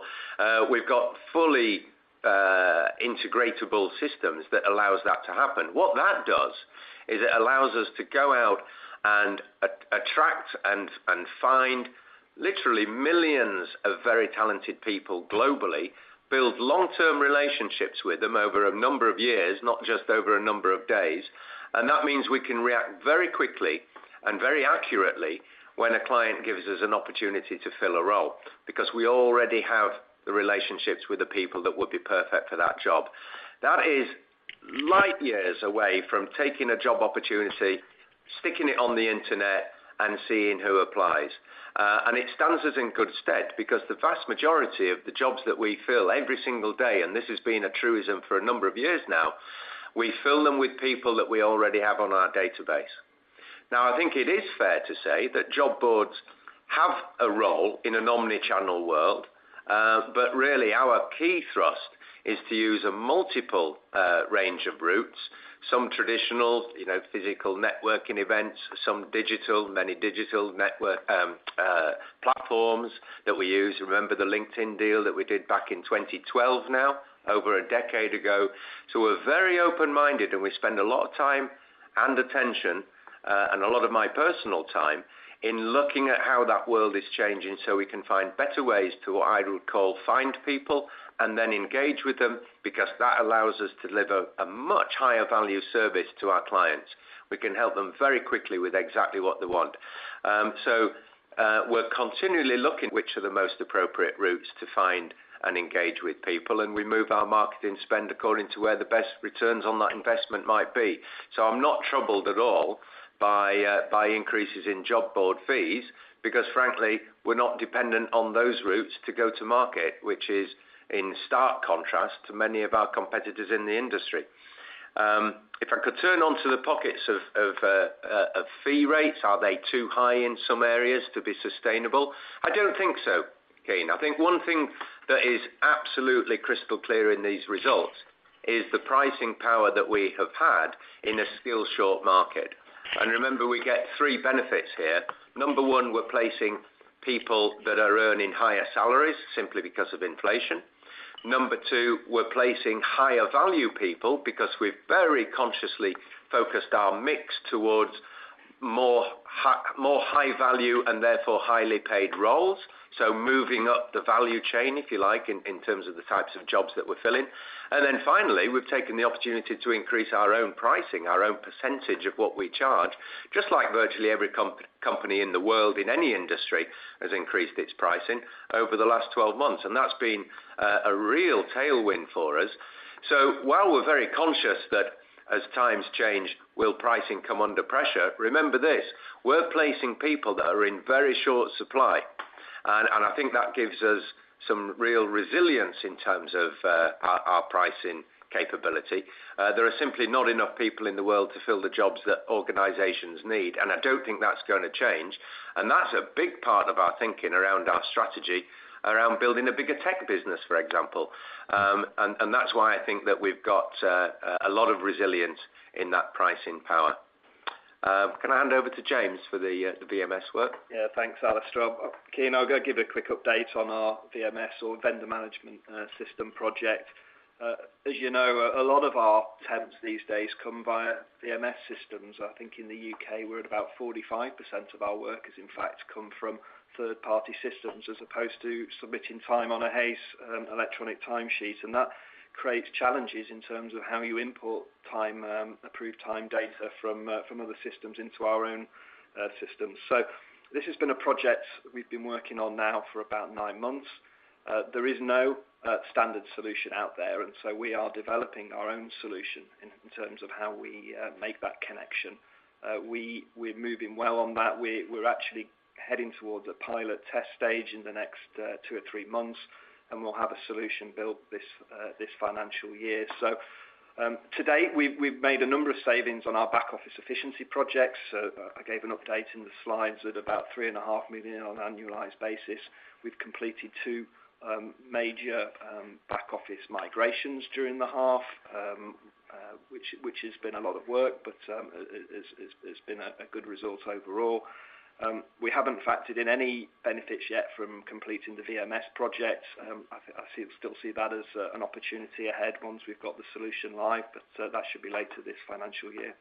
we've got fully integratable systems that allows that to happen. What that does is it allows us to go out and attract and find literally millions of very talented people globally, build long-term relationships with them over a number of years, not just over a number of days. That means we can react very quickly and very accurately when a client gives us an opportunity to fill a role, because we already have the relationships with the people that would be perfect for that job. That is light years away from taking a job opportunity, sticking it on the Internet, and seeing who applies. It stands us in good stead because the vast majority of the jobs that we fill every single day, and this has been a truism for a number of years now, we fill them with people that we already have on our database. I think it is fair to say that job boards have a role in an omni-channel world, really our key thrust is to use a multiple range of routes, some traditional, you know, physical networking events, some digital, many digital network platforms that we use. Remember the LinkedIn deal that we did back in 2012 now, over a decade ago? We're very open-minded, and we spend a lot of time and attention, and a lot of my personal time in looking at how that world is changing so we can find better ways to, what I would call, find people and then engage with them because that allows us to deliver a much higher value service to our clients. We can help them very quickly with exactly what they want. So, we're continually looking which are the most appropriate routes to find and engage with people, and we move our marketing spend according to where the best returns on that investment might be. I'm not troubled at all by increases in job board fees because frankly, we're not dependent on those routes to go to market, which is in stark contrast to many of our competitors in the industry. If I could turn on to the pockets of fee rates, are they too high in some areas to be sustainable? I don't think so, Keane. I think one thing that is absolutely crystal clear in these results is the pricing power that we have had in a skill-short market. Remember, we get three benefits here. Number one, we're placing people that are earning higher salaries simply because of inflation. Number two, we're placing high-value people because we've very consciously focused our mix towards more high-value and therefore highly paid roles. Moving up the value chain, if you like, in terms of the types of jobs that we're filling. Finally, we've taken the opportunity to increase our own pricing, our own percentage of what we charge, just like virtually every company in the world in any industry has increased its pricing over the last 12 months. That's been a real tailwind for us. While we're very conscious that as times change, will pricing come under pressure? Remember this, we're placing people that are in very short supply. I think that gives us some real resilience in terms of our pricing capability. There are simply not enough people in the world to fill the jobs that organizations need, I don't think that's gonna change. That's a big part of our thinking around our strategy around building a bigger tech business, for example. That's why I think that we've got a lot of resilience in that pricing power. Can I hand over to James for the VMS work? Yeah. Thanks, Alistair. Kean, I'll go give a quick update on our VMS or Vendor Management System project. As you know, a lot of our temps these days come via VMS systems. I think in the U.K., we're at about 45% of our workers, in fact, come from third-party systems as opposed to submitting time on a Hays electronic time sheet. That creates challenges in terms of how you import time, approve time data from other systems into our own systems. This has been a project we've been working on now for about nine months. There is no standard solution out there, we are developing our own solution in terms of how we make that connection. We're moving well on that. We're actually heading towards a pilot test stage in the next two or three months, we'll have a solution built this financial year. To date, we've made a number of savings on our back office efficiency projects. I gave an update in the slides at about three and a half million on an annualized basis. We've completed two major back office migrations during the half, which has been a lot of work, it has been a good result overall. We haven't factored in any benefits yet from completing the VMS project. I still see that as an opportunity ahead once we've got the solution live, that should be later this financial year.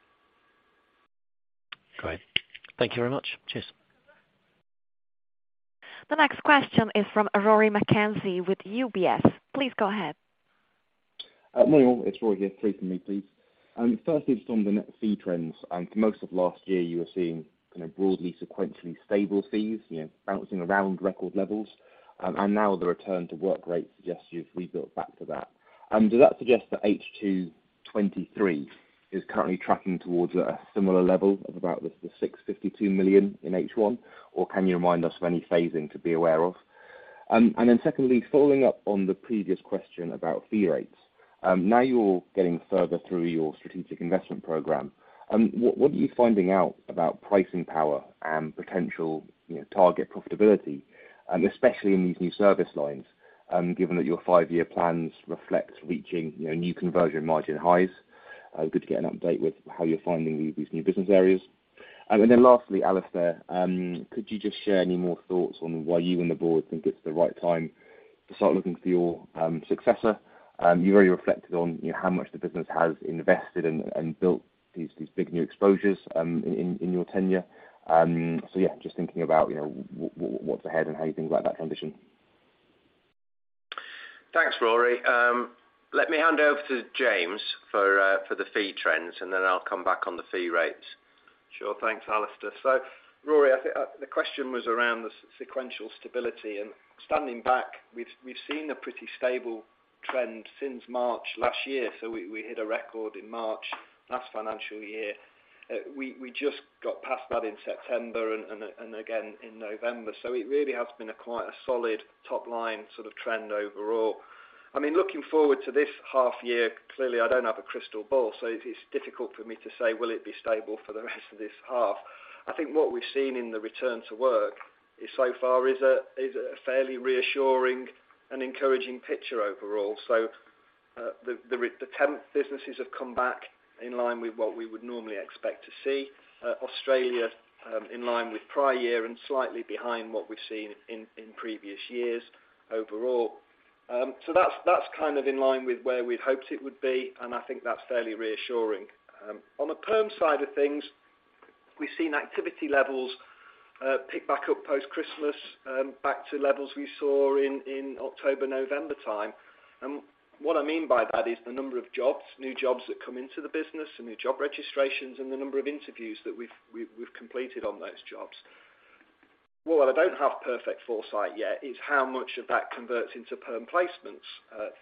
Great. Thank you very much. Cheers. The next question is from Rory McKenzie with UBS. Please go ahead. Morning all, it's Rory here. Three for me, please. Firstly just on the net fee trends. For most of last year you were seeing kind of broadly sequentially stable fees, you know, bouncing around record levels. Now the return to work rate suggests you've rebuilt back to that. Does that suggest that H2 2023 is currently tracking towards a similar level of about the 652 million in H1? Can you remind us of any phasing to be aware of? Secondly, following up on the previous question about fee rates, now you're getting further through your strategic investment program, what are you finding out about pricing power and potential, you know, target profitability, especially in these new service lines, given that your five-year plans reflect reaching, you know, new conversion margin highs? Good to get an update with how you're finding these new business areas. Lastly, Alistair, could you just share any more thoughts on why you and the board think it's the right time to start looking for your successor? You've already reflected on, you know, how much the business has invested and built these big new exposures in your tenure. Yeah, just thinking about, you know, what's ahead and how you think about that transition. Thanks, Rory. Let me hand over to James for the fee trends, and then I'll come back on the fee rates. Sure. Thanks, Alastair. Rory, I think the question was around the sequential stability and standing back we've seen a pretty stable trend since March last year, we hit a record in March last financial year. We just got past that in September and again in November. It really has been a quite a solid top line sort of trend overall. I mean, looking forward to this half year, clearly I don't have a crystal ball, so it is difficult for me to say will it be stable for the rest of this half. I think what we've seen in the return to work is so far is a fairly reassuring and encouraging picture overall. The temp businesses have come back in line with what we would normally expect to see. Australia, in line with prior year and slightly behind what we've seen in previous years overall. That's kind of in line with where we'd hoped it would be, and I think that's fairly reassuring. On the perm side of things, we've seen activity levels pick back up post-Christmas, back to levels we saw in October, November time. What I mean by that is the number of jobs, new jobs that come into the business, the new job registrations, and the number of interviews that we've completed on those jobs. What I don't have perfect foresight yet is how much of that converts into perm placements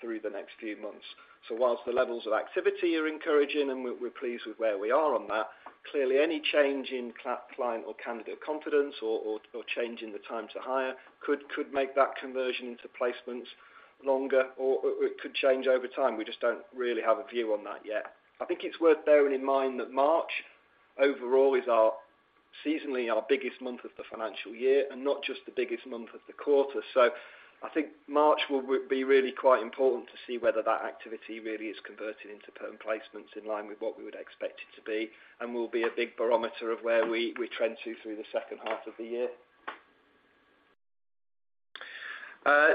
through the next few months. Whilst the levels of activity are encouraging and we're pleased with where we are on that, clearly any change in client or candidate confidence or change in the time to hire could make that conversion into placements longer or it could change over time. We just don't really have a view on that yet. I think it's worth bearing in mind that March overall is our seasonally our biggest month of the financial year and not just the biggest month of the quarter. I think March will be really quite important to see whether that activity really is converting into perm placements in line with what we would expect it to be, and will be a big barometer of where we trend to through the second half of the year.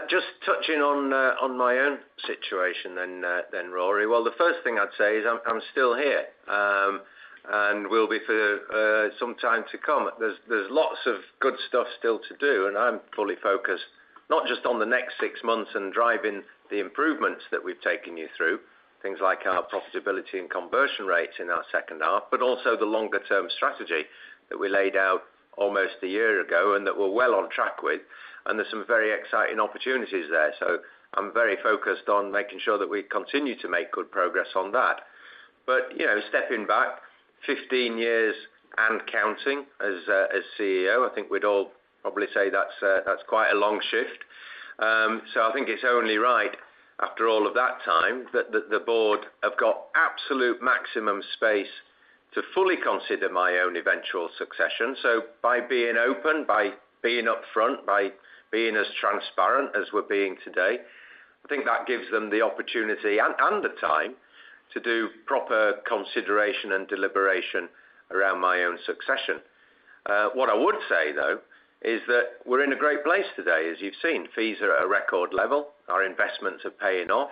Just touching on my own situation then, Rory. The first thing I'd say is I'm still here and will be for some time to come. There's lots of good stuff still to do. I'm fully focused not just on the next six months and driving the improvements that we've taken you through, things like our profitability and conversion rates in our second half, but also the longer term strategy that we laid out almost a year ago and that we're well on track with. There's some very exciting opportunities there. I'm very focused on making sure that we continue to make good progress on that. You know, stepping back 15 years and counting as CEO, I think we'd all probably say that's quite a long shift. I think it's only right after all of that time that the board have got absolute maximum space to fully consider my own eventual succession. By being open, by being upfront, by being as transparent as we're being today, I think that gives them the opportunity and the time to do proper consideration and deliberation around my own succession. What I would say though, is that we're in a great place today, as you've seen. Fees are at a record level. Our investments are paying off.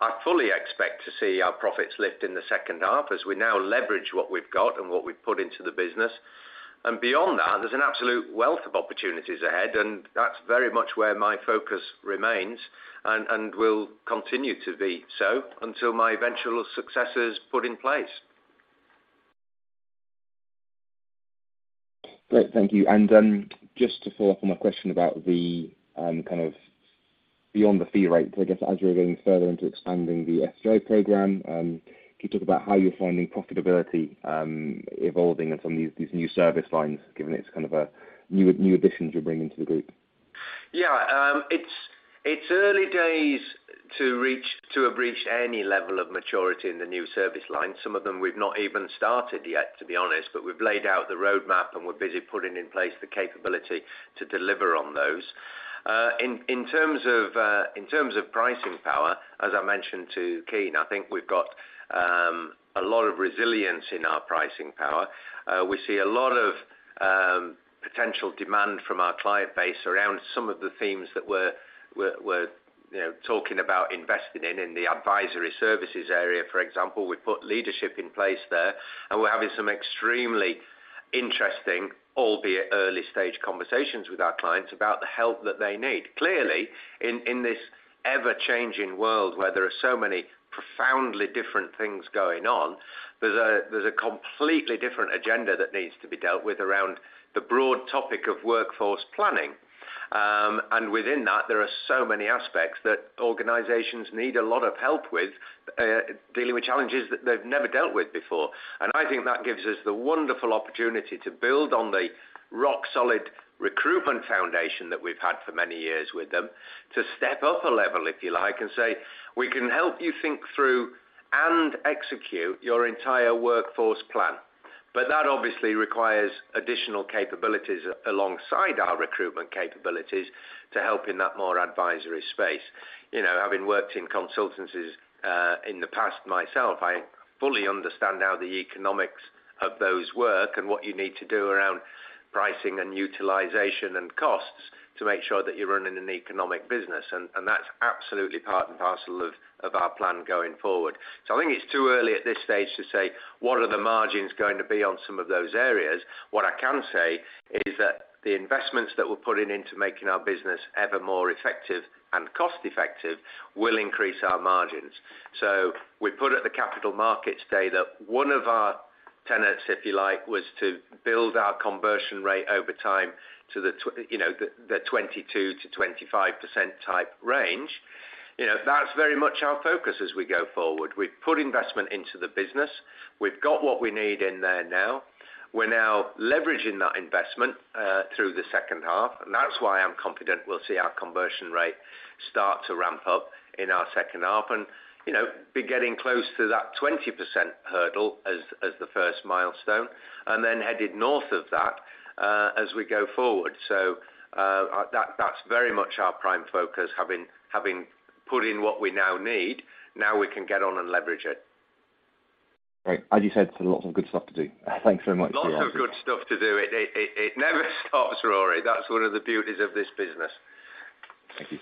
I fully expect to see our profits lift in the second half as we now leverage what we've got and what we've put into the business. Beyond that, there's an absolute wealth of opportunities ahead, and that's very much where my focus remains and will continue to be so until my eventual successor is put in place. Great. Thank you. Just to follow up on a question about the kind of beyond the fee rate, I guess as you're going further into expanding the SGI program, can you talk about how you're finding profitability evolving in some of these new service lines, given it's kind of a new additions you're bringing to the group? Yeah. It's early days to have reached any level of maturity in the new service lines. Some of them we've not even started yet, to be honest, but we've laid out the roadmap and we're busy putting in place the capability to deliver on those. In terms of pricing power, as I mentioned to Keane, I think we've got a lot of resilience in our pricing power. We see a lot of potential demand from our client base around some of the themes that we're, you know, talking about investing in the advisory services area, for example, we put leadership in place there, and we're having some extremely interesting albeit early stage conversations with our clients about the help that they need. Clearly, in this ever-changing world where there are so many profoundly different things going on, there's a completely different agenda that needs to be dealt with around the broad topic of workforce planning. Within that, there are so many aspects that organizations need a lot of help with, dealing with challenges that they've never dealt with before. I think that gives us the wonderful opportunity to build on the rock-solid recruitment foundation that we've had for many years with them to step up a level, if you like, and say, "We can help you think through and execute your entire workforce plan." That obviously requires additional capabilities alongside our recruitment capabilities to help in that more advisory space. You know, having worked in consultancies, in the past myself, I fully understand how the economics of those work and what you need to do around pricing and utilization and costs to make sure that you're running an economic business, and that's absolutely part and parcel of our plan going forward. I think it's too early at this stage to say what are the margins going to be on some of those areas. What I can say is that the investments that we're putting into making our business ever more effective and cost-effective will increase our margins. We put at the Capital Markets Day that one of our tenants, if you like, was to build our conversion rate over time to you know, the 22% to 25% type range. You know, that's very much our focus as we go forward. We've put investment into the business. We've got what we need in there now. We're now leveraging that investment through the second half, and that's why I'm confident we'll see our conversion rate start to ramp up in our second half and, you know, be getting close to that 20% hurdle as the first milestone, and then headed north of that as we go forward. That's very much our prime focus, having put in what we now need, now we can get on and leverage it. Great. As you said, there's lots of good stuff to do. Thanks very much for your answers. Lots of good stuff to do. It never stops, Rory. That's one of the beauties of this business. Thank you.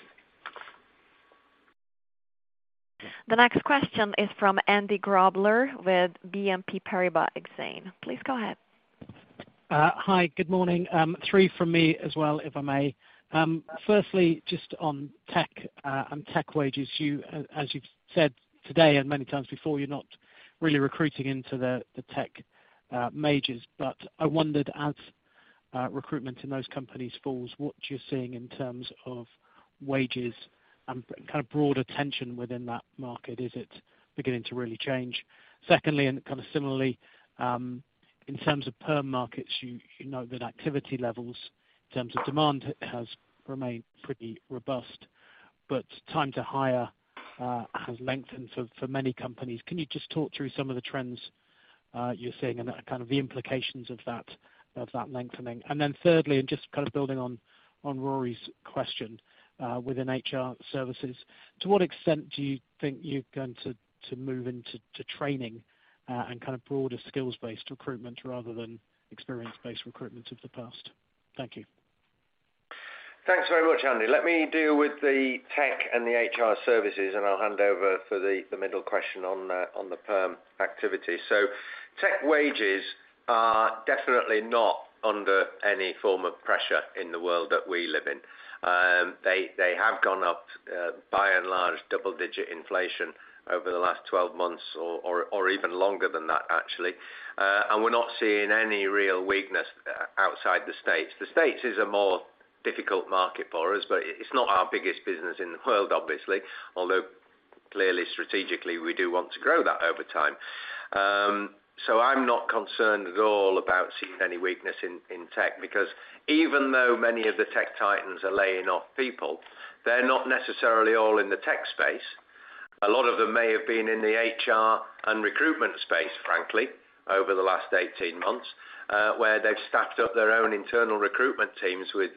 The next question is from Andrew Grobler with BNP Paribas Exane. Please go ahead. Hi. Good morning. Three from me as well, if I may. Firstly, just on tech and tech wages. As you've said today and many times before, you're not really recruiting into the tech majors. I wondered, as recruitment in those companies falls, what you're seeing in terms of wages and kind of broader tension within that market? Is it beginning to really change? Secondly, kind of similarly, in terms of perm markets, you know that activity levels in terms of demand has remained pretty robust, time to hire has lengthened for many companies. Can you just talk through some of the trends you're seeing kind of the implications of that lengthening? Thirdly, and just kind of building on Rory's question, within HR services, to what extent do you think you're going to move into training, and kind of broader skills-based recruitment rather than experience-based recruitment of the past? Thank you. Thanks very much, Andrew. Let me deal with the tech and the HR services, and I'll hand over for the middle question on the perm activity. Tech wages are definitely not under any form of pressure in the world that we live in. They have gone up by and large double-digit inflation over the last 12 months or even longer than that actually. We're not seeing any real weakness outside the States. The States is a more difficult market for us, but it's not our biggest business in the world, obviously, although clearly strategically, we do want to grow that over time. I'm not concerned at all about seeing any weakness in tech because even though many of the tech titans are laying off people, they're not necessarily all in the tech space. A lot of them may have been in the HR and recruitment space, frankly, over the last 18 months, where they've staffed up their own internal recruitment teams with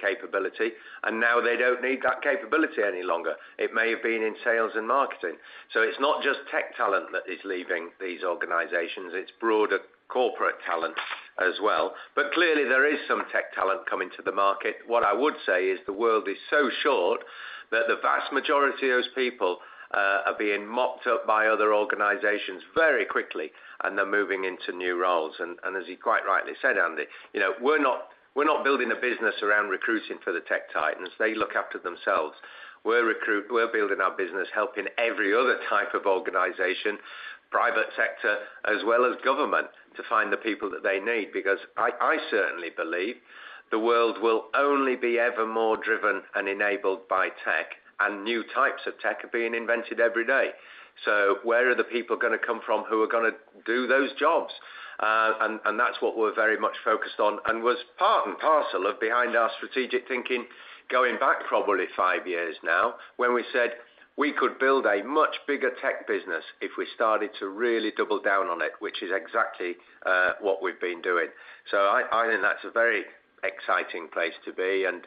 capability, and now they don't need that capability any longer. It may have been in sales and marketing. It's not just tech talent that is leaving these organizations, it's broader corporate talent as well. Clearly there is some tech talent coming to the market. What I would say is the world is so short that the vast majority of those people are being mopped up by other organizations very quickly, and they're moving into new roles. As you quite rightly said, Andrew, you know, we're not building a business around recruiting for the tech titans. They look after themselves. We're building our business helping every other type of organization, private sector as well as government, to find the people that they need because I certainly believe the world will only be ever more driven and enabled by tech and new types of tech are being invented every day. Where are the people gonna come from, who are gonna do those jobs? That's what we're very much focused on and was part and parcel of behind our strategic thinking going back probably five years now, when we said we could build a much bigger tech business if we started to really double down on it, which is exactly what we've been doing. I think that's a very exciting place to be, and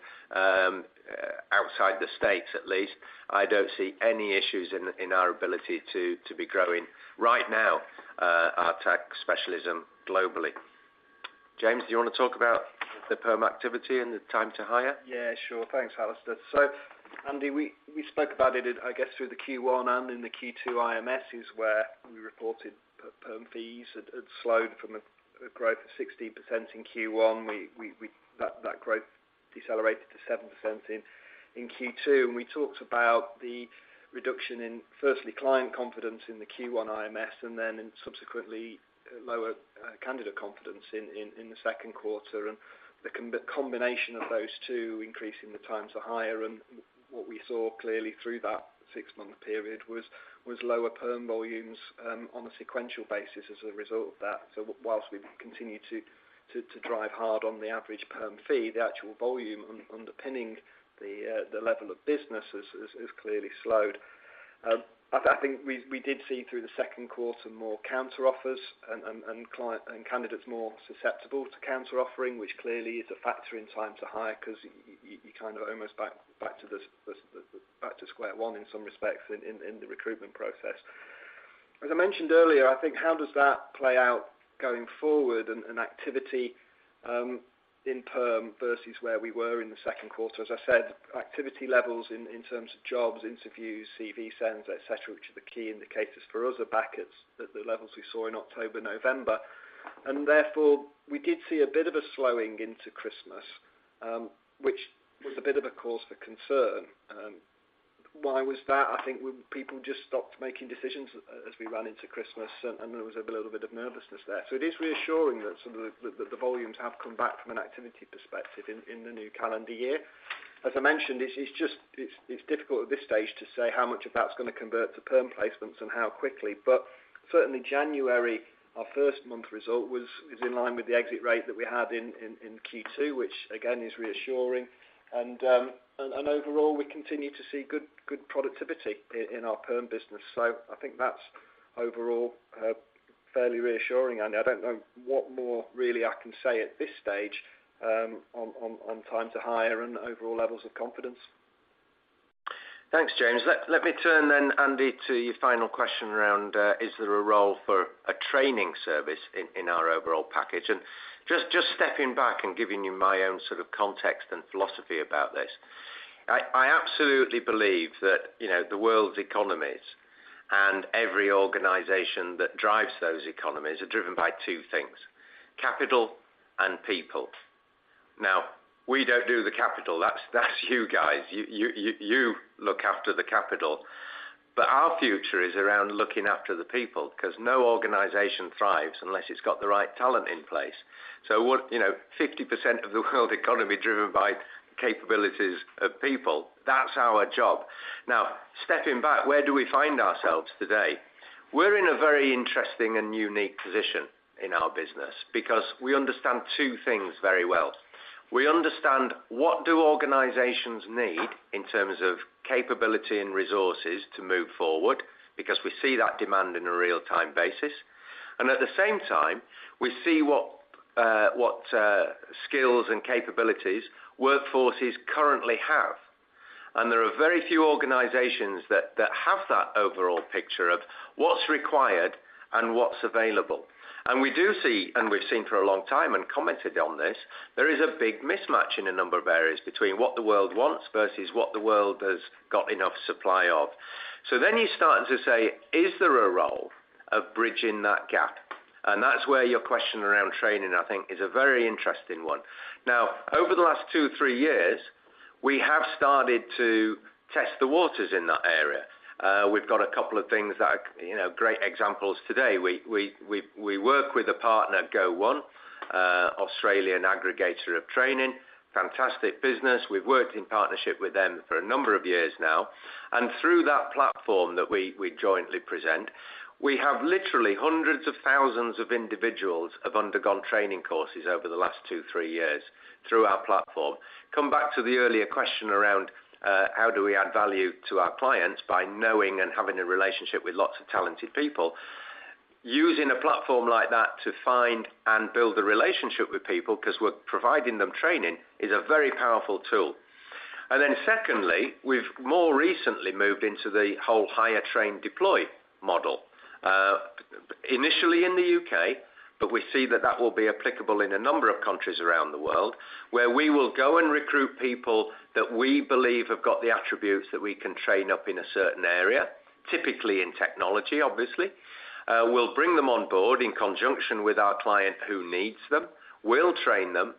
outside the States at least, I don't see any issues in our ability to be growing right now, our tech specialism globally. James, do you want to talk about the perm activity and the time to hire? Yeah, sure. Thanks, Alistair. Andrew, we spoke about it, I guess, through the Q1 and in the Q2 IMSes, where we reported our perm fees had slowed from a growth of 60% in Q1. We that growth decelerated to 7% in Q2. We talked about the reduction in firstly, client confidence in the Q1 IMS and then in subsequently lower candidate confidence in the Q2. The combination of those two, increasing the time to hire. What we saw clearly through that six-month period was lower perm volumes on a sequential basis as a result of that. Whilst we continue to drive hard on the average perm fee, the actual volume underpinning the level of business has clearly slowed. I think we did see through the Q2 more counteroffers and client and candidates more susceptible to counter offering, which clearly is a factor in time to hire because you kind of almost back to square one in some respects in the recruitment process. As I mentioned earlier, I think how does that play out going forward and activity in perm versus where we were in the Q2? Activity levels in terms of jobs, interviews, CV sends, et cetera, which are the key indicators for us are back at the levels we saw in October, November. Therefore, we did see a bit of a slowing into Christmas, which was a bit of a cause for concern. Why was that? I think when people just stopped making decisions as we ran into Christmas, and there was a little bit of nervousness there. It is reassuring that some of the volumes have come back from an activity perspective in the new calendar year. As I mentioned, it's difficult at this stage to say how much of that's gonna convert to perm placements and how quickly. Certainly January, our first month result is in line with the exit rate that we had in Q2, which again is reassuring. And overall, we continue to see good productivity in our perm business. I think that's overall fairly reassuring, Andrew. I don't know what more really I can say at this stage on time to hire and overall levels of confidence. Thanks, James. Let me turn then, Andrew, to your final question around, is there a role for a training service in our overall package? Just stepping back and giving you my own sort of context and philosophy about this. I absolutely believe that, you know, the world's economies and every organization that drives those economies are driven by two things, capital and people. We don't do the capital. That's you guys. You look after the capital. Our future is around looking after the people 'cause no organization thrives unless it's got the right talent in place. What, you know, 50% of the world economy driven by capabilities of people, that's our job. Stepping back, where do we find ourselves today? We're in a very interesting and unique position in our business because we understand two things very well. We understand what do organizations need in terms of capability and resources to move forward because we see that demand in a real-time basis. At the same time, we see what skills and capabilities workforces currently have. There are very few organizations that have that overall picture of what's required and what's available. We do see, and we've seen for a long time and commented on this, there is a big mismatch in a number of areas between what the world wants versus what the world has got enough supply of. You're starting to say, "Is there a role of bridging that gap?" That's where your question around training, I think, is a very interesting one. Over the last two, three years, we have started to test the waters in that area. We've got a couple of things that are, you know, great examples today. We work with a partner, Go1, Australian aggregator of training, fantastic business. We've worked in partnership with them for a number of years now. Through that platform that we jointly present, we have literally hundreds of thousands of individuals have undergone training courses over the last two, three years through our platform. Come back to the earlier question around how do we add value to our clients by knowing and having a relationship with lots of talented people? Using a platform like that to find and build a relationship with people because we're providing them training, is a very powerful tool. Secondly, we've more recently moved into the whole hire, train, deploy model. Initially in the U.K., but we see that that will be applicable in a number of countries around the world, where we will go and recruit people that we believe have got the attributes that we can train up in a certain area, typically in technology, obviously. We'll bring them on board in conjunction with our client who needs them. We'll train them,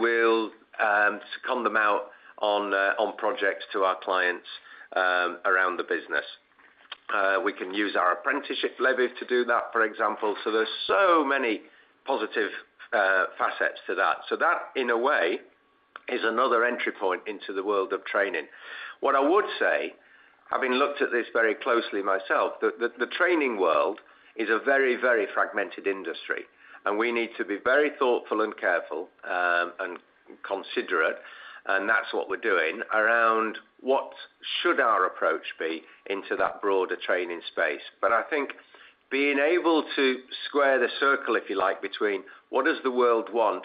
we'll second them out on projects to our clients around the business. We can use our Apprenticeship Levy to do that, for example. There's so many positive facets to that. That, in a way, is another entry point into the world of training. What I would say, having looked at this very closely myself, the training world is a very, very fragmented industry, and we need to be very thoughtful and careful, and considerate, and that's what we're doing, around what should our approach be into that broader training space. I think being able to square the circle, if you like, between what does the world want?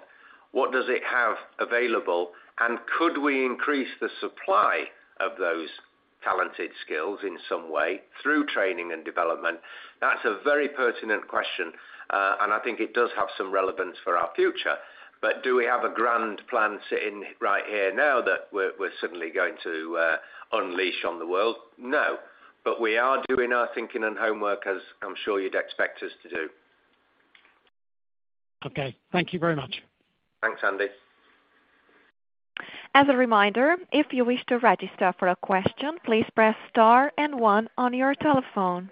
What does it have available? Could we increase the supply of those talented skills in some way through training and development? That's a very pertinent question, and I think it does have some relevance for our future. Do we have a grand plan sitting right here now that we're suddenly going to unleash on the world? No. We are doing our thinking and homework as I'm sure you'd expect us to do. Okay. Thank you very much. Thanks, Andrew. As a reminder, if you wish to register for a question, please press star and one on your telephone.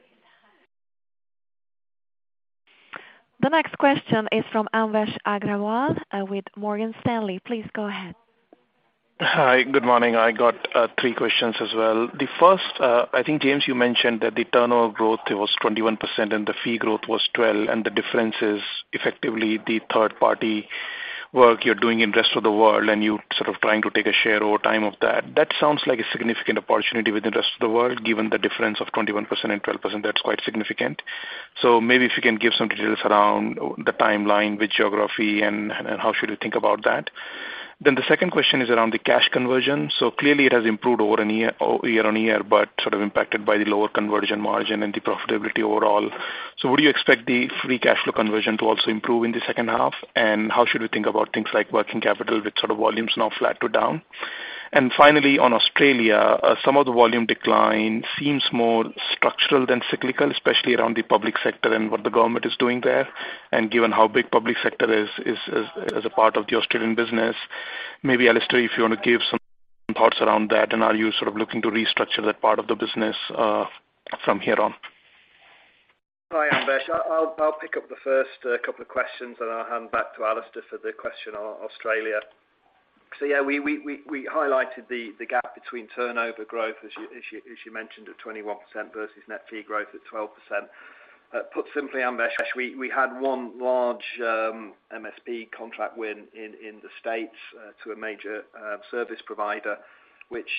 The next question is from Anvesh Agrawal with Morgan Stanley. Please go ahead. Hi. Good morning. I got three questions as well. The first, I think, James, you mentioned that the turnover growth was 21% and the fee growth was 12, and the difference is effectively the third party work you're doing in the Rest of the World, and you're sort of trying to take a share over time of that. That sounds like a significant opportunity with the Rest of the World. Given the difference of 21% and 12%, that's quite significant. Maybe if you can give some details around the timeline, the geography, and how should we think about that. The second question is around the cash conversion. Clearly it has improved over year-on-year, but sort of impacted by the lower conversion margin and the profitability overall. Would you expect the free cash flow conversion to also improve in the second half? How should we think about things like working capital with sort of volumes now flat to down? Finally, on Australia, some of the volume decline seems more structural than cyclical, especially around the public sector and what the government is doing there. Given how big public sector is as a part of the Australian business, maybe, Alastair, if you want to give some thoughts around that. Are you sort of looking to restructure that part of the business from here on? Hi, Anvesh. I'll pick up the first couple of questions, then I'll hand back to Alistair for the question on Australia. Yeah, we highlighted the gap between turnover growth, as you mentioned, at 21% versus net fee growth at 12%. Put simply, Anvesh, we had one large MSP contract win in the States to a major service provider, which,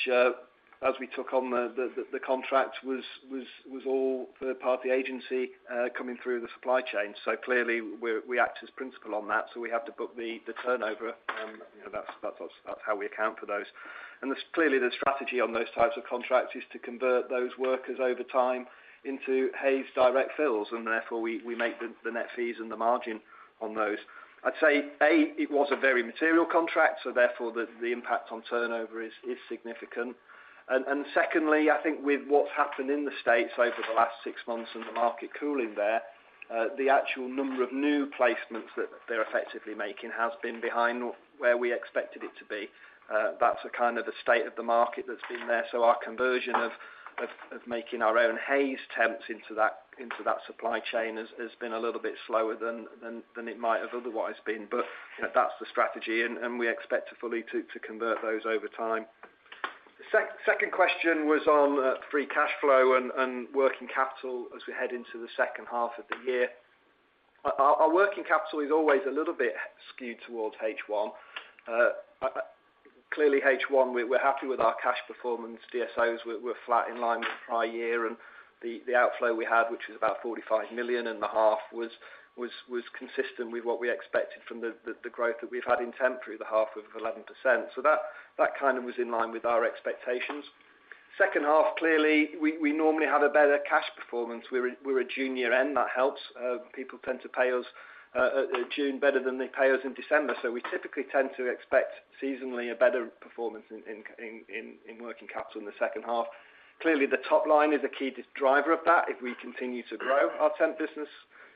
as we took on the contract, was all third-party agency coming through the supply chain. Clearly we act as principal on that. We have to book the turnover, you know, that's how we account for those. Clearly the strategy on those types of contracts is to convert those workers over time into Hays direct fills, and therefore we make the net fees and the margin on those. I'd say, A, it was a very material contract, so therefore the impact on turnover is significant. Secondly, I think with what's happened in the States over the last six months and the market cooling there, the actual number of new placements that they're effectively making has been behind where we expected it to be. That's a kind of a state of the market that's been there. So our conversion of making our own Hays temps into that supply chain has been a little bit slower than it might have otherwise been. That's the strategy, and we expect to fully convert those over time. Second question was on free cash flow and working capital as we head into the second half of the year. Our working capital is always a little bit skewed towards H1. Clearly H1 we're happy with our cash performance. DSOs were flat in line with prior year and the outflow we had, which was about 45 million in the half, was consistent with what we expected from the growth that we've had in temporary, the half of 11%. That kind of was in line with our expectations. Second half, clearly, we normally have a better cash performance. We're a June year-end, that helps. People tend to pay us June better than they pay us in December. We typically tend to expect seasonally a better performance in working capital in the second half. Clearly, the top line is a key driver of that. If we continue to grow our temp business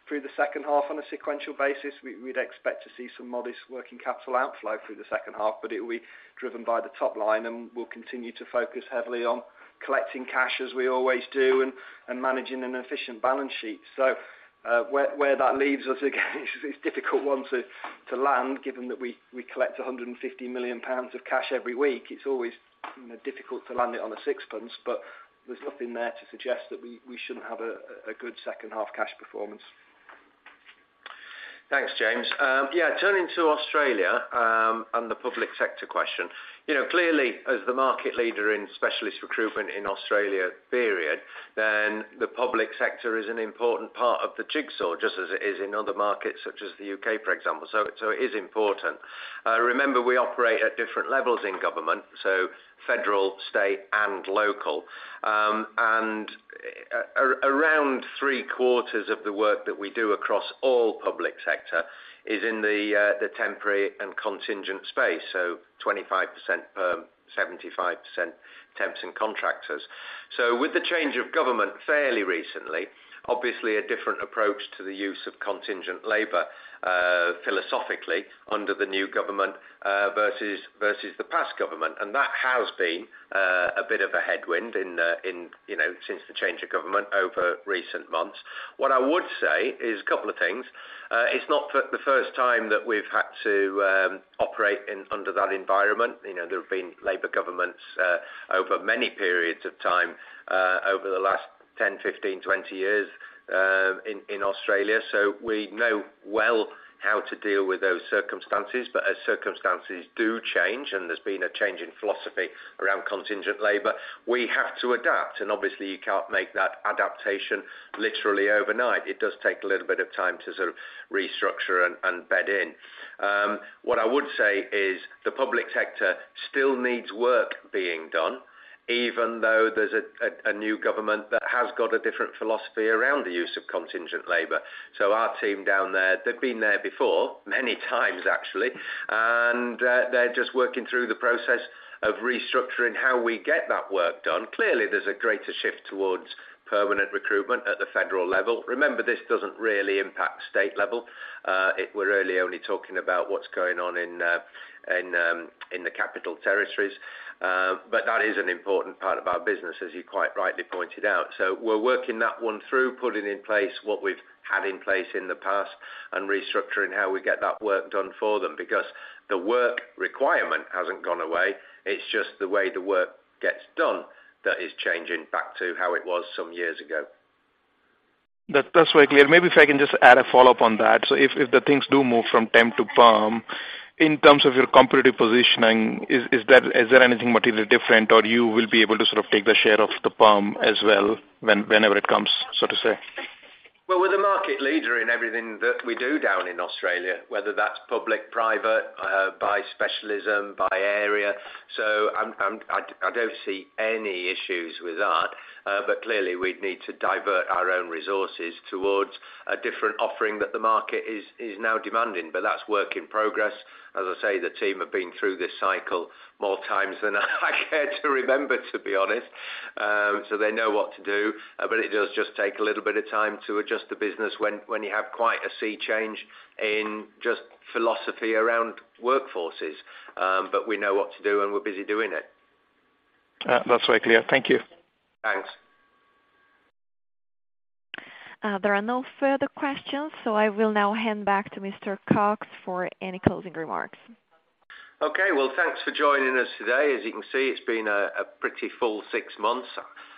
through the second half on a sequential basis, we'd expect to see some modest working capital outflow through the second half, but it will be driven by the top line, and we'll continue to focus heavily on collecting cash as we always do and managing an efficient balance sheet. Where that leaves us, again, it's a difficult one to land, given that we collect 150 million pounds of cash every week. It's always, you know, difficult to land it on a sixpence, but there's nothing there to suggest that we shouldn't have a good second half cash performance. Thanks, James. Yeah, turning to Australia, and the public sector question. You know, clearly, as the market leader in specialist recruitment in Australia, period, then the public sector is an important part of the jigsaw, just as it is in other markets such as the U.K., for example. It is important. Remember, we operate at different levels in government, so federal, state and local. And around three-quarters of the work that we do across all public sector is in the temporary and contingent space, so 25% perm, 75% temps and contractors. With the change of government fairly recently, obviously a different approach to the use of contingent labor, philosophically under the new government, versus the past government. That has been a bit of a headwind, you know, since the change of government over recent months. What I would say is a couple of things. It's not the first time that we've had to operate under that environment. You know, there have been Labor governments over many periods of time over the last 10, 15, 20 years in Australia. We know well how to deal with those circumstances. As circumstances do change and there's been a change in philosophy around contingent labor, we have to adapt. Obviously you can't make that adaptation literally overnight. It does take a little bit of time to sort of restructure and bed in. What I would say is the public sector still needs work being done. Even though there's a new government that has got a different philosophy around the use of contingent labor. Our team down there, they've been there before, many times actually, they're just working through the process of restructuring how we get that work done. Clearly, there's a greater shift towards permanent recruitment at the federal level. Remember, this doesn't really impact state level. We're really only talking about what's going on in the capital territories. That is an important part of our business, as you quite rightly pointed out. We're working that one through, putting in place what we've had in place in the past and restructuring how we get that work done for them. Because the work requirement hasn't gone away, it's just the way the work gets done that is changing back to how it was some years ago. That's very clear. Maybe if I can just add a follow-up on that. If the things do move from temp to perm, in terms of your competitive positioning, is there anything materially different or you will be able to sort of take the share of the perm as well whenever it comes, so to say? We're the market leader in everything that we do down in Australia, whether that's public, private, by specialism, by area. I don't see any issues with that. Clearly we'd need to divert our own resources towards a different offering that the market is now demanding. That's work in progress. As I say, the team have been through this cycle more times than I care to remember, to be honest. They know what to do, it does just take a little bit of time to adjust the business when you have quite a sea change in just philosophy around workforces. We know what to do, we're busy doing it. That's very clear. Thank you. Thanks. There are no further questions, I will now hand back to Mr. Cox for any closing remarks. Okay. Well, thanks for joining us today. As you can see, it's been a pretty full six months.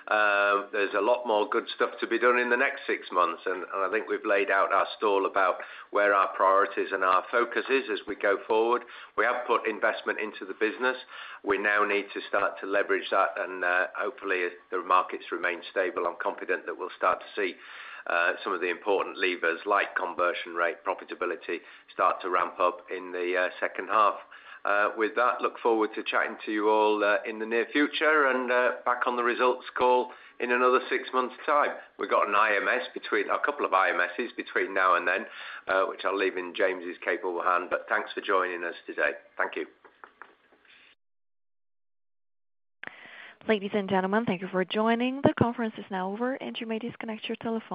There's a lot more good stuff to be done in the next 6 months, and I think we've laid out our stall about where our priorities and our focus is as we go forward. We have put investment into the business. We now need to start to leverage that, hopefully if the markets remain stable, I'm confident that we'll start to see some of the important levers, like conversion rate, profitability, start to ramp up in the second half. With that, look forward to chatting to you all in the near future and back on the results call in another six months' time. We've got an IMS between. A couple of IMSes between now and then, which I'll leave in James' capable hand. Thanks for joining us today. Thank you. Ladies and gentlemen, thank you for joining. The conference is now over, and you may disconnect your telephones.